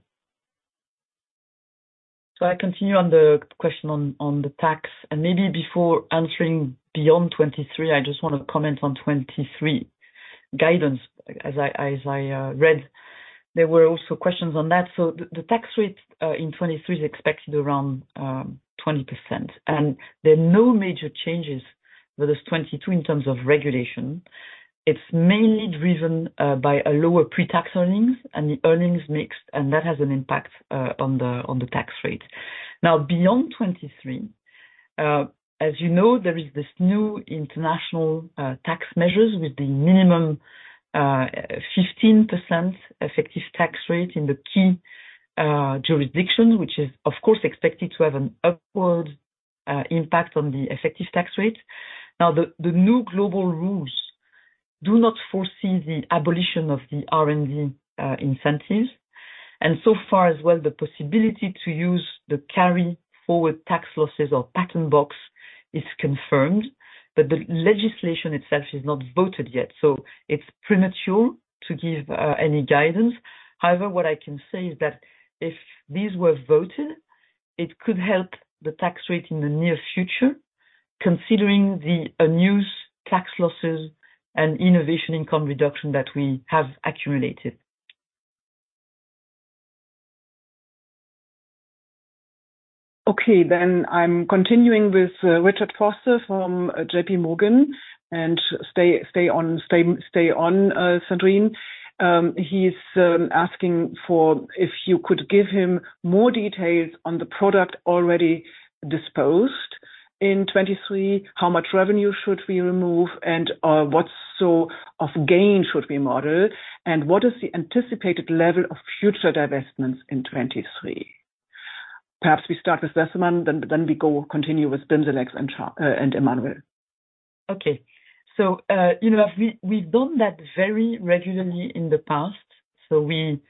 F: I continue on the question on the tax, and maybe before answering beyond 2023, I just want to comment on 2023 guidance. As I read, there were also questions on that. The tax rate in 2023 is expected around 20%. There are no major changes versus 2022 in terms of regulation. It's mainly driven by a lower pre-tax earnings and the earnings mix, and that has an impact on the tax rate. Beyond 2023, as you know, there is this new international tax measures with the minimum 15% effective tax rate in the key jurisdictions, which is, of course, expected to have an upward impact on the effective tax rate. Now, the new global rules do not foresee the abolition of the R&D incentives, and so far as well, the possibility to use the carry forward tax losses or patent box is confirmed. The legislation itself is not voted yet, so it's premature to give any guidance. What I can say is that if these were voted, it could help the tax rate in the near future, considering the unused tax losses and innovation income reduction that we have accumulated.
A: Okay. I'm continuing with Richard Vosser from JPMorgan. Stay on Sandrine Dufour. He's asking for if you could give him more details on the product already disposed in 2023, how much revenue should we remove? What so of gain should we model? What is the anticipated level of future divestments in 2023? Perhaps we start with Sandrine, then we go continue with Bimzelx and Emmanuel Caeymaex.
F: Okay. you know, we've done that very regularly in the past. We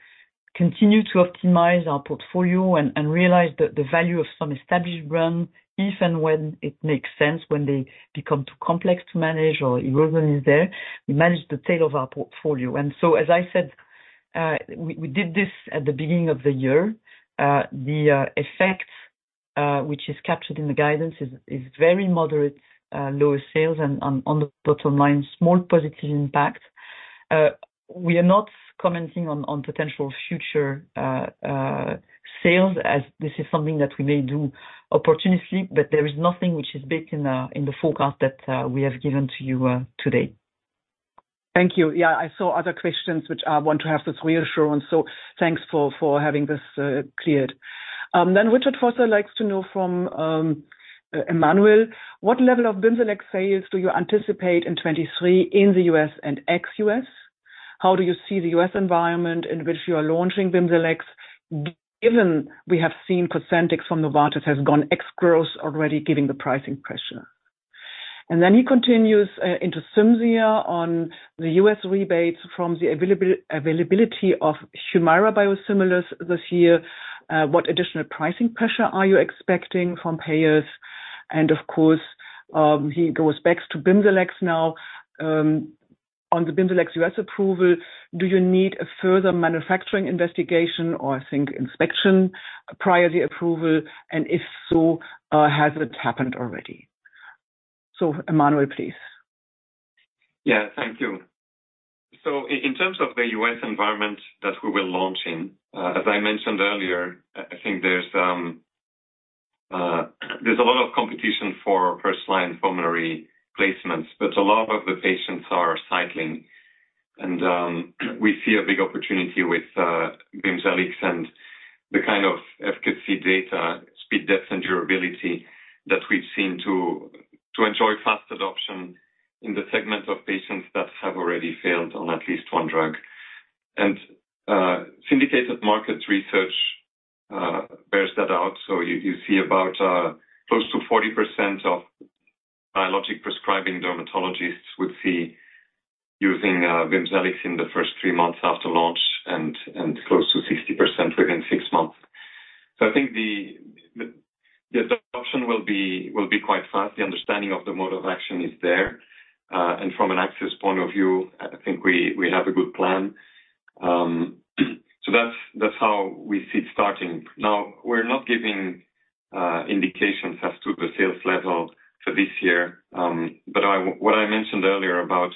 F: continue to optimize our portfolio and realize the value of some established brand if and when it makes sense, when they become too complex to manage or erosion is there. We manage the tail of our portfolio. As I said, we did this at the beginning of the year. The effect, which is captured in the guidance is very moderate, lower sales and on the bottom line, small positive impact. We are not commenting on potential future sales as this is something that we may do opportunistically. There is nothing which is baked in in the forecast that we have given to you today.
A: Thank you. Yeah, I saw other questions which I want to have this reassurance. Thanks for having this cleared. Richard Vosser likes to know from Emmanuel, what level of Bimzelx sales do you anticipate in 2023 in the U.S. And ex-U.S.? How do you see the US environment in which you are launching Bimzelx, given we have seen Cosentyx from Novartis has gone ex-growth already given the pricing pressure? He continues into Cimzia on the US rebates from the availability of Humira biosimilars this year. What additional pricing pressure are you expecting from payers? Of course, he goes back to Bimzelx now on the Bimzelx US approval. Do you need a further manufacturing investigation or I think inspection prior to the approval? If so, has it happened already? Emmanuel, please.
E: Thank you. In terms of the US environment that we were launching, as I mentioned earlier, I think there's a lot of competition for first-line pulmonary placements, but a lot of the patients are cycling and we see a big opportunity with Bimzelx and the kind of efficacy data, speed, depth, and durability that we've seen to enjoy fast adoption in the segment of patients that have already failed on at least one drug. Syndicated market research bears that out. You see about close to 40% of biologic prescribing dermatologists we see using Bimzelx in the first three months after launch and close to 60% within six months. I think the adoption will be quite fast. The understanding of the mode of action is there. From an access point of view, I think we have a good plan. That's how we see it starting. Now, we're not giving indications as to the sales level for this year. I, what I mentioned earlier about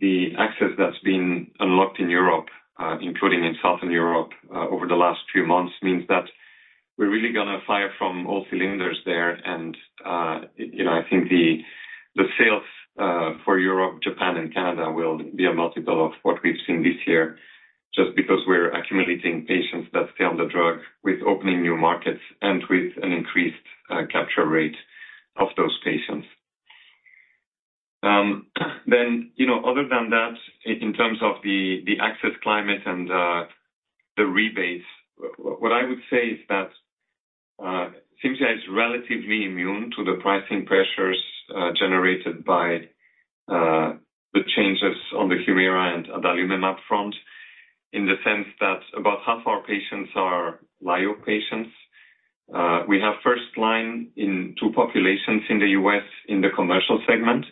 E: the access that's been unlocked in Europe, including in Southern Europe, over the last few months, means that we're really gonna fire from all cylinders there. You know, I think the sales for Europe, Japan, and Canada will be a multiple of what we've seen this year, just because we're accumulating patients that failed the drug with opening new markets and with an increased capture rate of those patients. You know, other than that, in terms of the access climate and the rebates, what I would say is that Cimzia is relatively immune to the pricing pressures generated by the changes on the Humira and adalimumab front, in the sense that about half our patients are lyo patients. We have first line in two populations in the U.S. in the commercial segment.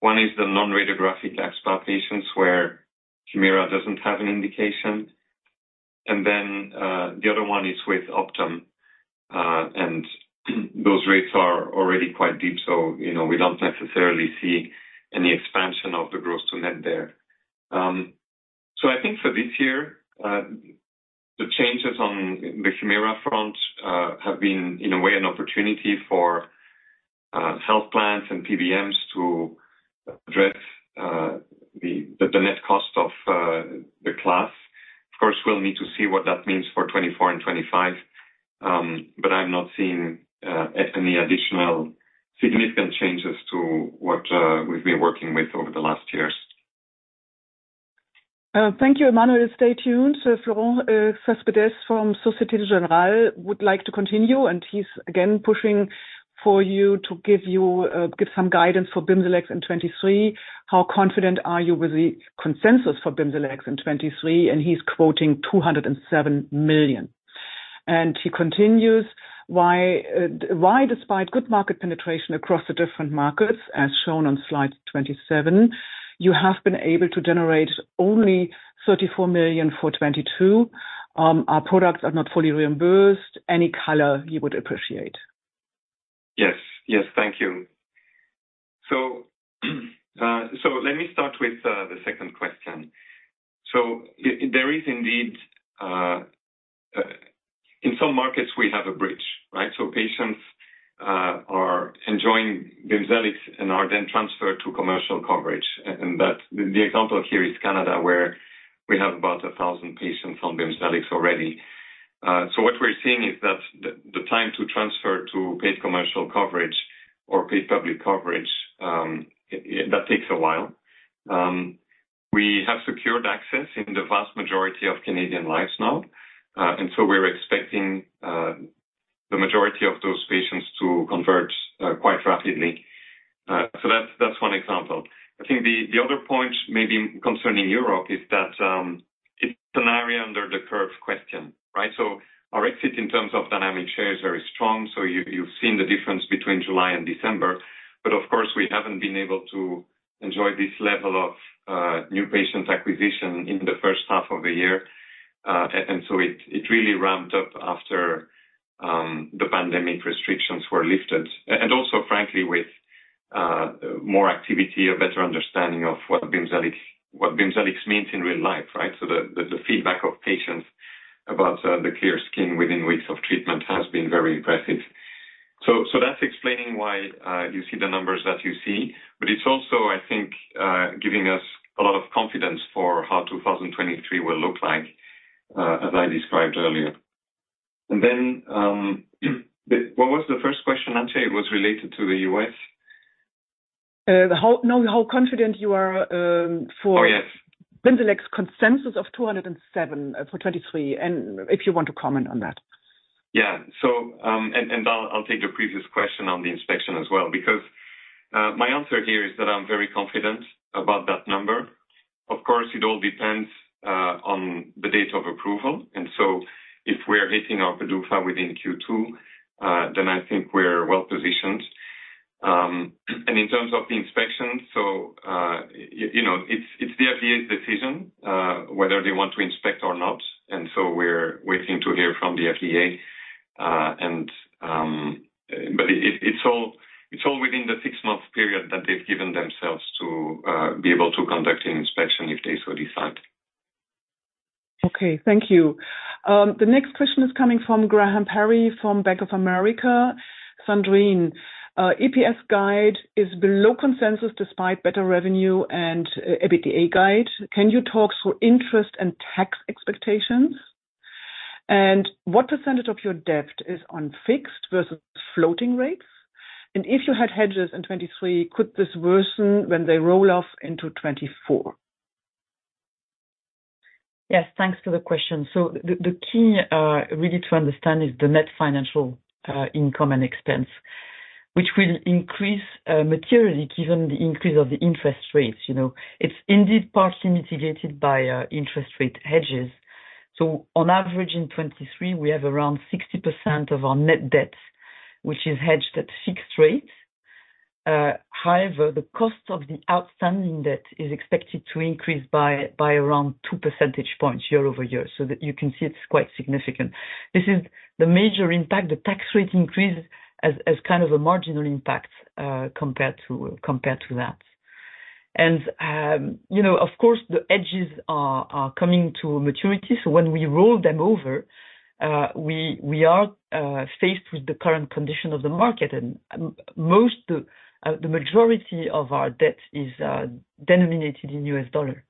E: One is the non-radiographic axSpA patients where Humira doesn't have an indication, and then the other one is with Optum. Those rates are already quite deep, so, you know, we don't necessarily see any expansion of the gross to net there. I think for this year, the changes on the Humira front have been, in a way, an opportunity for health plans and PBMs to address the net cost of the class. Of course, we'll need to see what that means for 2024 and 2025. I'm not seeing any additional significant changes to what we've been working with over the last years.
A: Thank you, Emmanuel. Stay tuned. Florent Cespedes from Société Générale would like to continue, and he's again pushing for you to give some guidance for Bimzelx in 2023. How confident are you with the consensus for Bimzelx in 2023? He's quoting 207 million. He continues, why despite good market penetration across the different markets, as shown on slide 27, you have been able to generate only 34 million for 2022? Our products are not fully reimbursed. Any color you would appreciate.
E: Yes. Yes, thank you. Let me start with the second question. There is indeed in some markets we have a bridge, right? Patients are enjoying Bimzelx and are then transferred to commercial coverage. The example here is Canada, where we have about 1,000 patients on Bimzelx already. What we're seeing is that the time to transfer to paid commercial coverage or paid public coverage, that takes a while. We have secured access in the vast majority of Canadian lives now. We're expecting the majority of those patients to convert quite rapidly. That's one example. I think the other point maybe concerning Europe is that it's an area under the curve question, right? Our exit in terms of dynamic share is very strong. You've seen the difference between July and December. Of course, we haven't been able to enjoy this level of new patients acquisition in the first half of the year. It really ramped up after the pandemic restrictions were lifted. Also, frankly, with more activity, a better understanding of what Bimzelx means in real life, right? The feedback of patients about the clear skin within weeks of treatment has been very impressive. That's explaining why you see the numbers that you see. It's also, I think, giving us a lot of confidence for how 2023 will look like, as I described earlier. What was the first question, Antje? It was related to the U.S.
A: No, how confident you are?
E: Oh, yes.
A: Bimzelx consensus of 207 for 2023, and if you want to comment on that.
E: Yeah. I'll take the previous question on the inspection as well, because my answer here is that I'm very confident about that number. Of course, it all depends on the date of approval. So if we're hitting our PDUFA within Q2, then I think we're well positioned. In terms of the inspection, you know, it's the FDA's decision whether they want to inspect or not. So we're waiting to hear from the FDA, and. It's all within the six-month period that they've given themselves to be able to conduct an inspection if they so decide.
A: Okay. Thank you. The next question is coming from Graham Parry from Bank of America. Sandrine, EPS guide is below consensus despite better revenue and EBITDA guide. Can you talk through interest and tax expectations? What % of your debt is on fixed versus floating rates? If you had hedges in 2023, could this worsen when they roll off into 2024?
F: Yes. Thanks for the question. The key really to understand is the net financial income and expense, which will increase materially given the increase of the interest rates. You know, it's indeed partially mitigated by interest rate hedges. On average in 2023, we have around 60% of our net debt, which is hedged at fixed rates. However, the cost of the outstanding debt is expected to increase by around 2% points year-over-year. You can see it's quite significant. This is the major impact. The tax rate increase has kind of a marginal impact compared to that. You know, of course, the hedges are coming to maturity, so when we roll them over, we are faced with the current condition of the market. The majority of our debt is denominated in US dollar.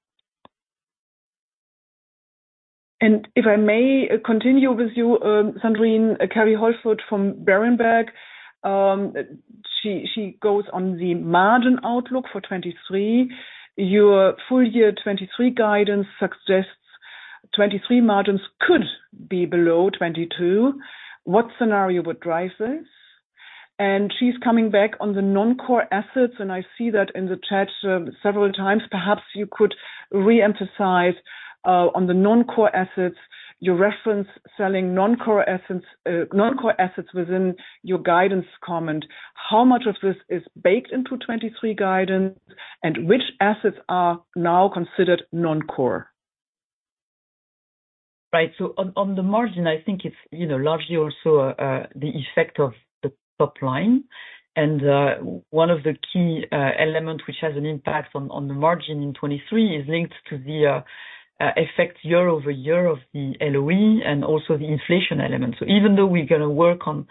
A: If I may continue with you, Sandrine, Kerry Holford from Berenberg. She goes on the margin outlook for 2023. Your full year 2023 guidance suggests 2023 margins could be below 2022. What scenario would drive this? She's coming back on the non-core assets, and I see that in the chat several times. Perhaps you could re-emphasize on the non-core assets. You reference selling non-core assets within your guidance comment. How much of this is baked into 2023 guidance, and which assets are now considered non-core?
F: Right. On the margin, I think it's, you know, largely also the effect of the top line. One of the key element which has an impact on the margin in 2023 is linked to the effect year-over-year of the LOE and also the inflation element. Even though we're gonna work on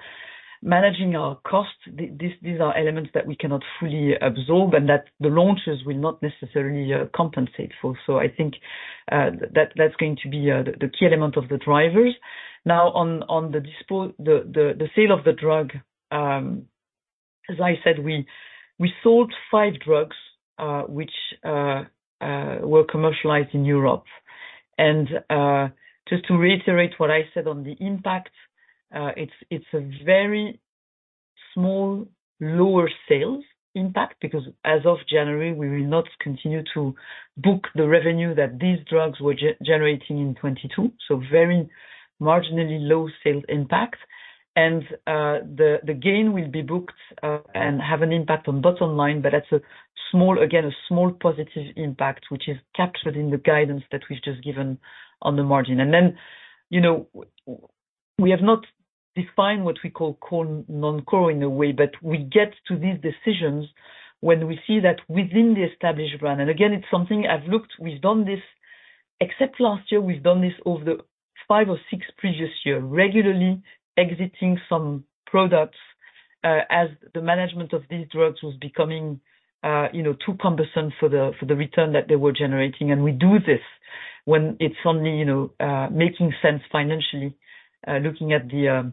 F: managing our costs, these are elements that we cannot fully absorb, and that the launches will not necessarily compensate for. I think that's going to be the key element of the drivers. Now, on the sale of the drug, as I said, we sold five drugs, which were commercialized in Europe. Just to reiterate what I said on the impact, it's a very small lower sales impact because as of January, we will not continue to book the revenue that these drugs were generating in 2022, so very marginally low sales impact. The gain will be booked and have an impact on bottom line, but that's a small, again, a small positive impact, which is captured in the guidance that we've just given on the margin. You know, we have not defined what we call core and non-core in a way, but we get to these decisions when we see that within the established brand. And again, it's something I've looked... We've done this, except last year, we've done this over the five or six previous year, regularly exiting some products, as the management of these drugs was becoming, you know, too cumbersome for the, for the return that they were generating. We do this when it's only, you know, making sense financially, looking at the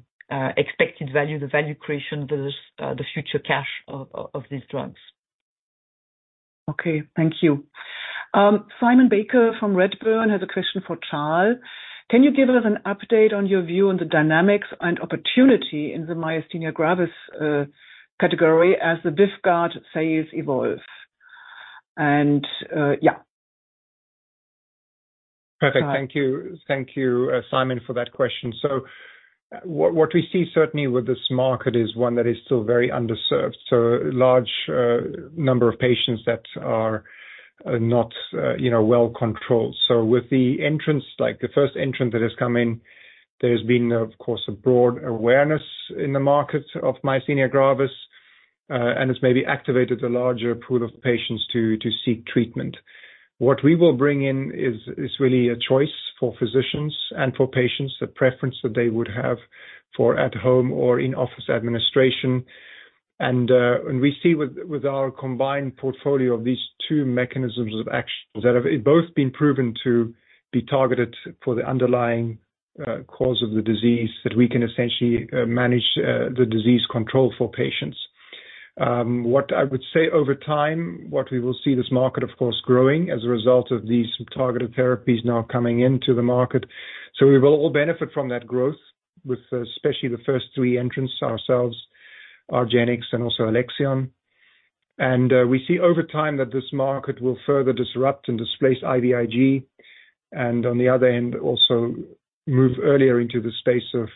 F: expected value, the value creation versus the future cash of these drugs.
A: Okay, thank you. Simon Baker from Redburn has a question for Charles. Can you give us an update on your view on the dynamics and opportunity in the Myasthenia Gravis, category as the Dysport sales evolve? Yeah.
D: Perfect. Thank you. Thank you, Simon, for that question. What we see certainly with this market is one that is still very underserved, so large number of patients that are not, you know, well controlled. With the entrance, like the first entrant that has come in, there's been, of course, a broad awareness in the market of Myasthenia Gravis, and it's maybe activated a larger pool of patients to seek treatment. What we will bring in is really a choice for physicians and for patients, the preference that they would have for at home or in office administration. We see with our combined portfolio of these two mechanisms of actions that have both been proven to be targeted for the underlying cause of the disease, that we can essentially manage the disease control for patients. What I would say over time, what we will see this market, of course, growing as a result of these targeted therapies now coming into the market. We will all benefit from that growth with especially the first three entrants, ourselves, argenx, and also Alexion. We see over time that this market will further disrupt and displace IVIG, and on the other end, also move earlier into the space of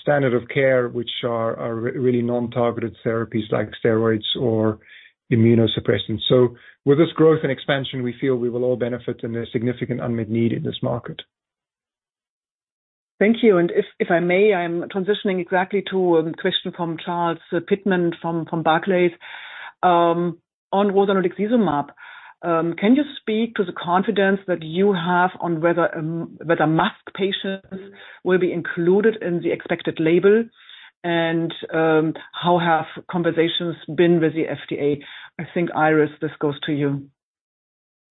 D: standard of care, which are really non-targeted therapies like steroids or immunosuppressants. With this growth and expansion, we feel we will all benefit in the significant unmet need in this market.
A: Thank you. If I may, I'm transitioning exactly to a question from Charles Pitman-King from Barclays, on rozanolixizumab. Can you speak to the confidence that you have on whether MuSK patients will be included in the expected label? How have conversations been with the FDA? I think, Iris, this goes to you.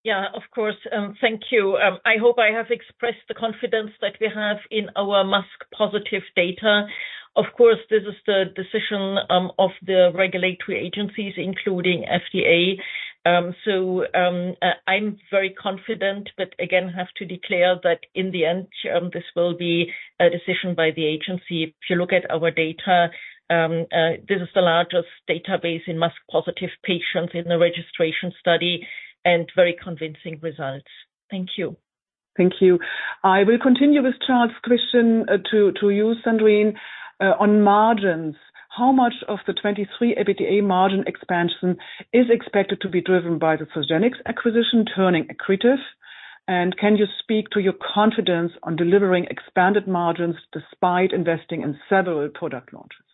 C: Of course. Thank you. I hope I have expressed the confidence that we have in our MuSK-positive data. Of course, this is the decision of the regulatory agencies, including FDA. I'm very confident, but again, have to declare that in the end, this will be a decision by the agency. If you look at our data, this is the largest database in MuSK-positive patients in the registration study and very convincing results. Thank you.
A: Thank you. I will continue with Charles' question to you, Sandrine, on margins. How much of the 2023 EBITDA margin expansion is expected to be driven by the Zogenix acquisition turning accretive? Can you speak to your confidence on delivering expanded margins despite investing in several product launches?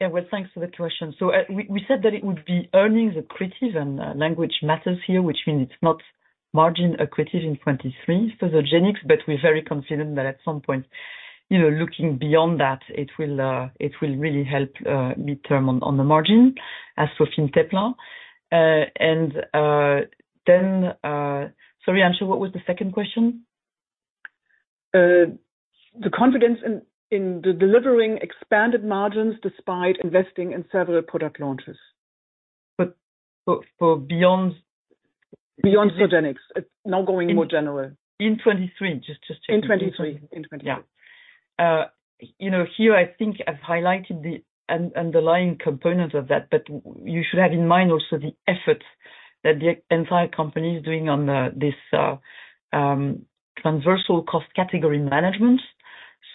F: Yeah. Well, thanks for the question. We said that it would be earnings accretive, and language matters here, which means it's not margin accretive in 2023 for Zogenix, but we're very confident that at some point, you know, looking beyond that, it will really help midterm on the margin as Fintepla. Sorry, I'm not sure what was the second question.
A: The confidence in the delivering expanded margins despite investing in several product launches.
F: for.
A: Beyond Zogenix. It's now going more general.
F: In 23. Just checking.
A: In 2023. In 2023.
F: You know, here I think I've highlighted the underlying component of that, but you should have in mind also the effort that the entire company is doing on this transversal cost category management.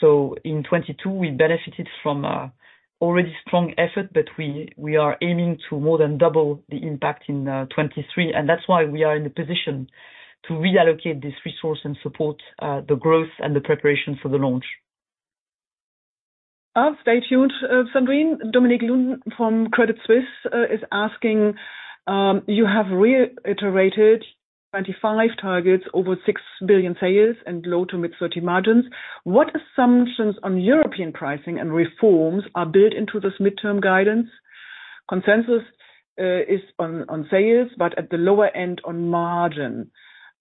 F: In 2022, we benefited from already strong effort, but we are aiming to more than double the impact in 2023, and that's why we are in a position to reallocate this resource and support the growth and the preparation for the launch.
A: Stay tuned, Sandrine. Dominic Lunn from Credit Suisse is asking, you have reiterated 2025 targets over 6 billion sales and low to mid 30% margins. What assumptions on European pricing and reforms are built into this midterm guidance? Consensus is on sales, but at the lower end on margin.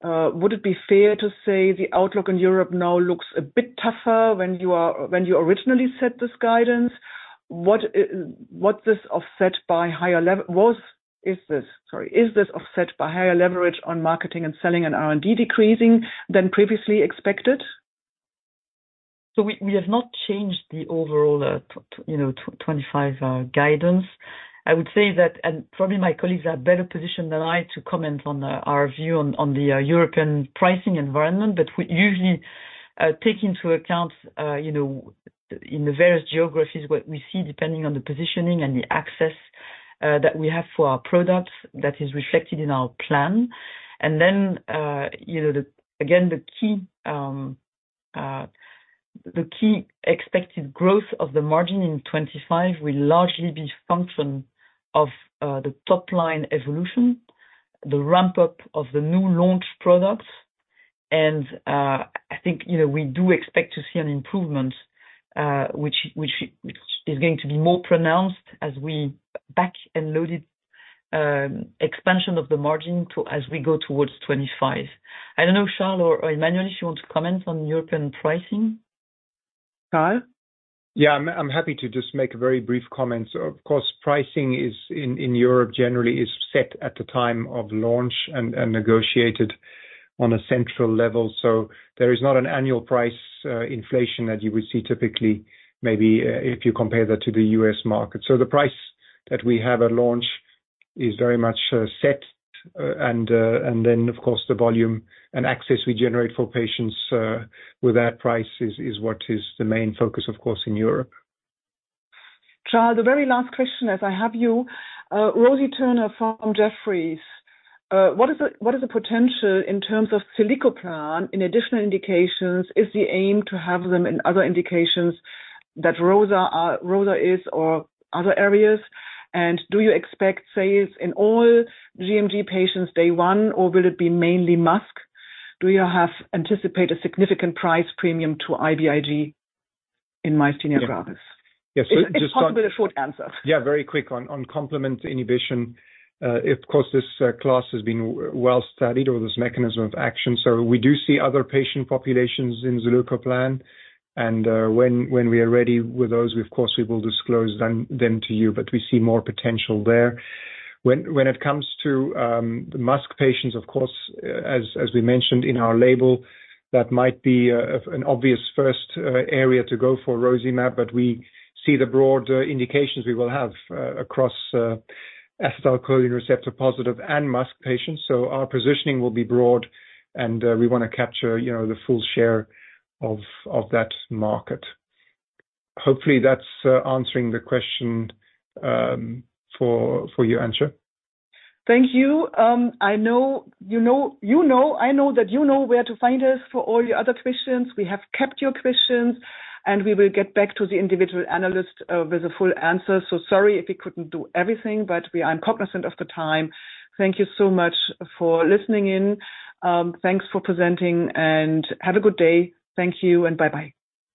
A: Would it be fair to say the outlook in Europe now looks a bit tougher when you originally set this guidance? Is this offset by higher leverage on marketing and selling and R&D decreasing than previously expected?
F: We have not changed the overall, you know, 2025 guidance. I would say that, probably my colleagues are better positioned than I to comment on our view on the European pricing environment. We usually take into account, you know, in the various geographies, what we see depending on the positioning and the access that we have for our products that is reflected in our plan. Again, the key, the key expected growth of the margin in 2025 will largely be function of the top line evolution, the ramp-up of the new launch products. I think, you know, we do expect to see an improvement, which is going to be more pronounced as we back and load it, expansion of the margin as we go towards 2025. I don't know, Charles or Emmanuel, if you want to comment on European pricing.
A: Charles?
D: Yeah. I'm happy to just make a very brief comment. Of course, pricing is in Europe generally is set at the time of launch and negotiated on a central level. There is not an annual price inflation that you would see typically, maybe if you compare that to the US market. The price that we have at launch is very much set. And then, of course, the volume and access we generate for patients with that price is what is the main focus, of course, in Europe.
A: Charles, the very last question as I have you. Peter Welford from Jefferies. What is the potential in terms of zilucoplan in additional indications? Is the aim to have them in other indications that roza is or other areas? Do you expect sales in all gMG patients day one, or will it be mainly MuSK? Do you have anticipate a significant price premium to IVIG in Myasthenia Gravis?
D: Yes.
A: If possible, a short answer.
D: Yeah, very quick on complement inhibition. Of course, this class has been well studied or this mechanism of action. We do see other patient populations in zilucoplan. When we are ready with those, we of course will disclose them to you, but we see more potential there. When it comes to the MuSK patients, of course, as we mentioned in our label, that might be an obvious first area to go for rozanolixizumab, but we see the broad indications we will have across acetylcholine receptor positive and MuSK patients. Our positioning will be broad and we wanna capture, you know, the full share of that market. Hopefully that's answering the question for your answer.
A: Thank you. I know you know where to find us for all your other questions. We have kept your questions, and we will get back to the individual analyst with a full answer. Sorry if we couldn't do everything, but I'm cognizant of the time. Thank you so much for listening in. Thanks for presenting. Have a good day. Thank you. Bye-bye.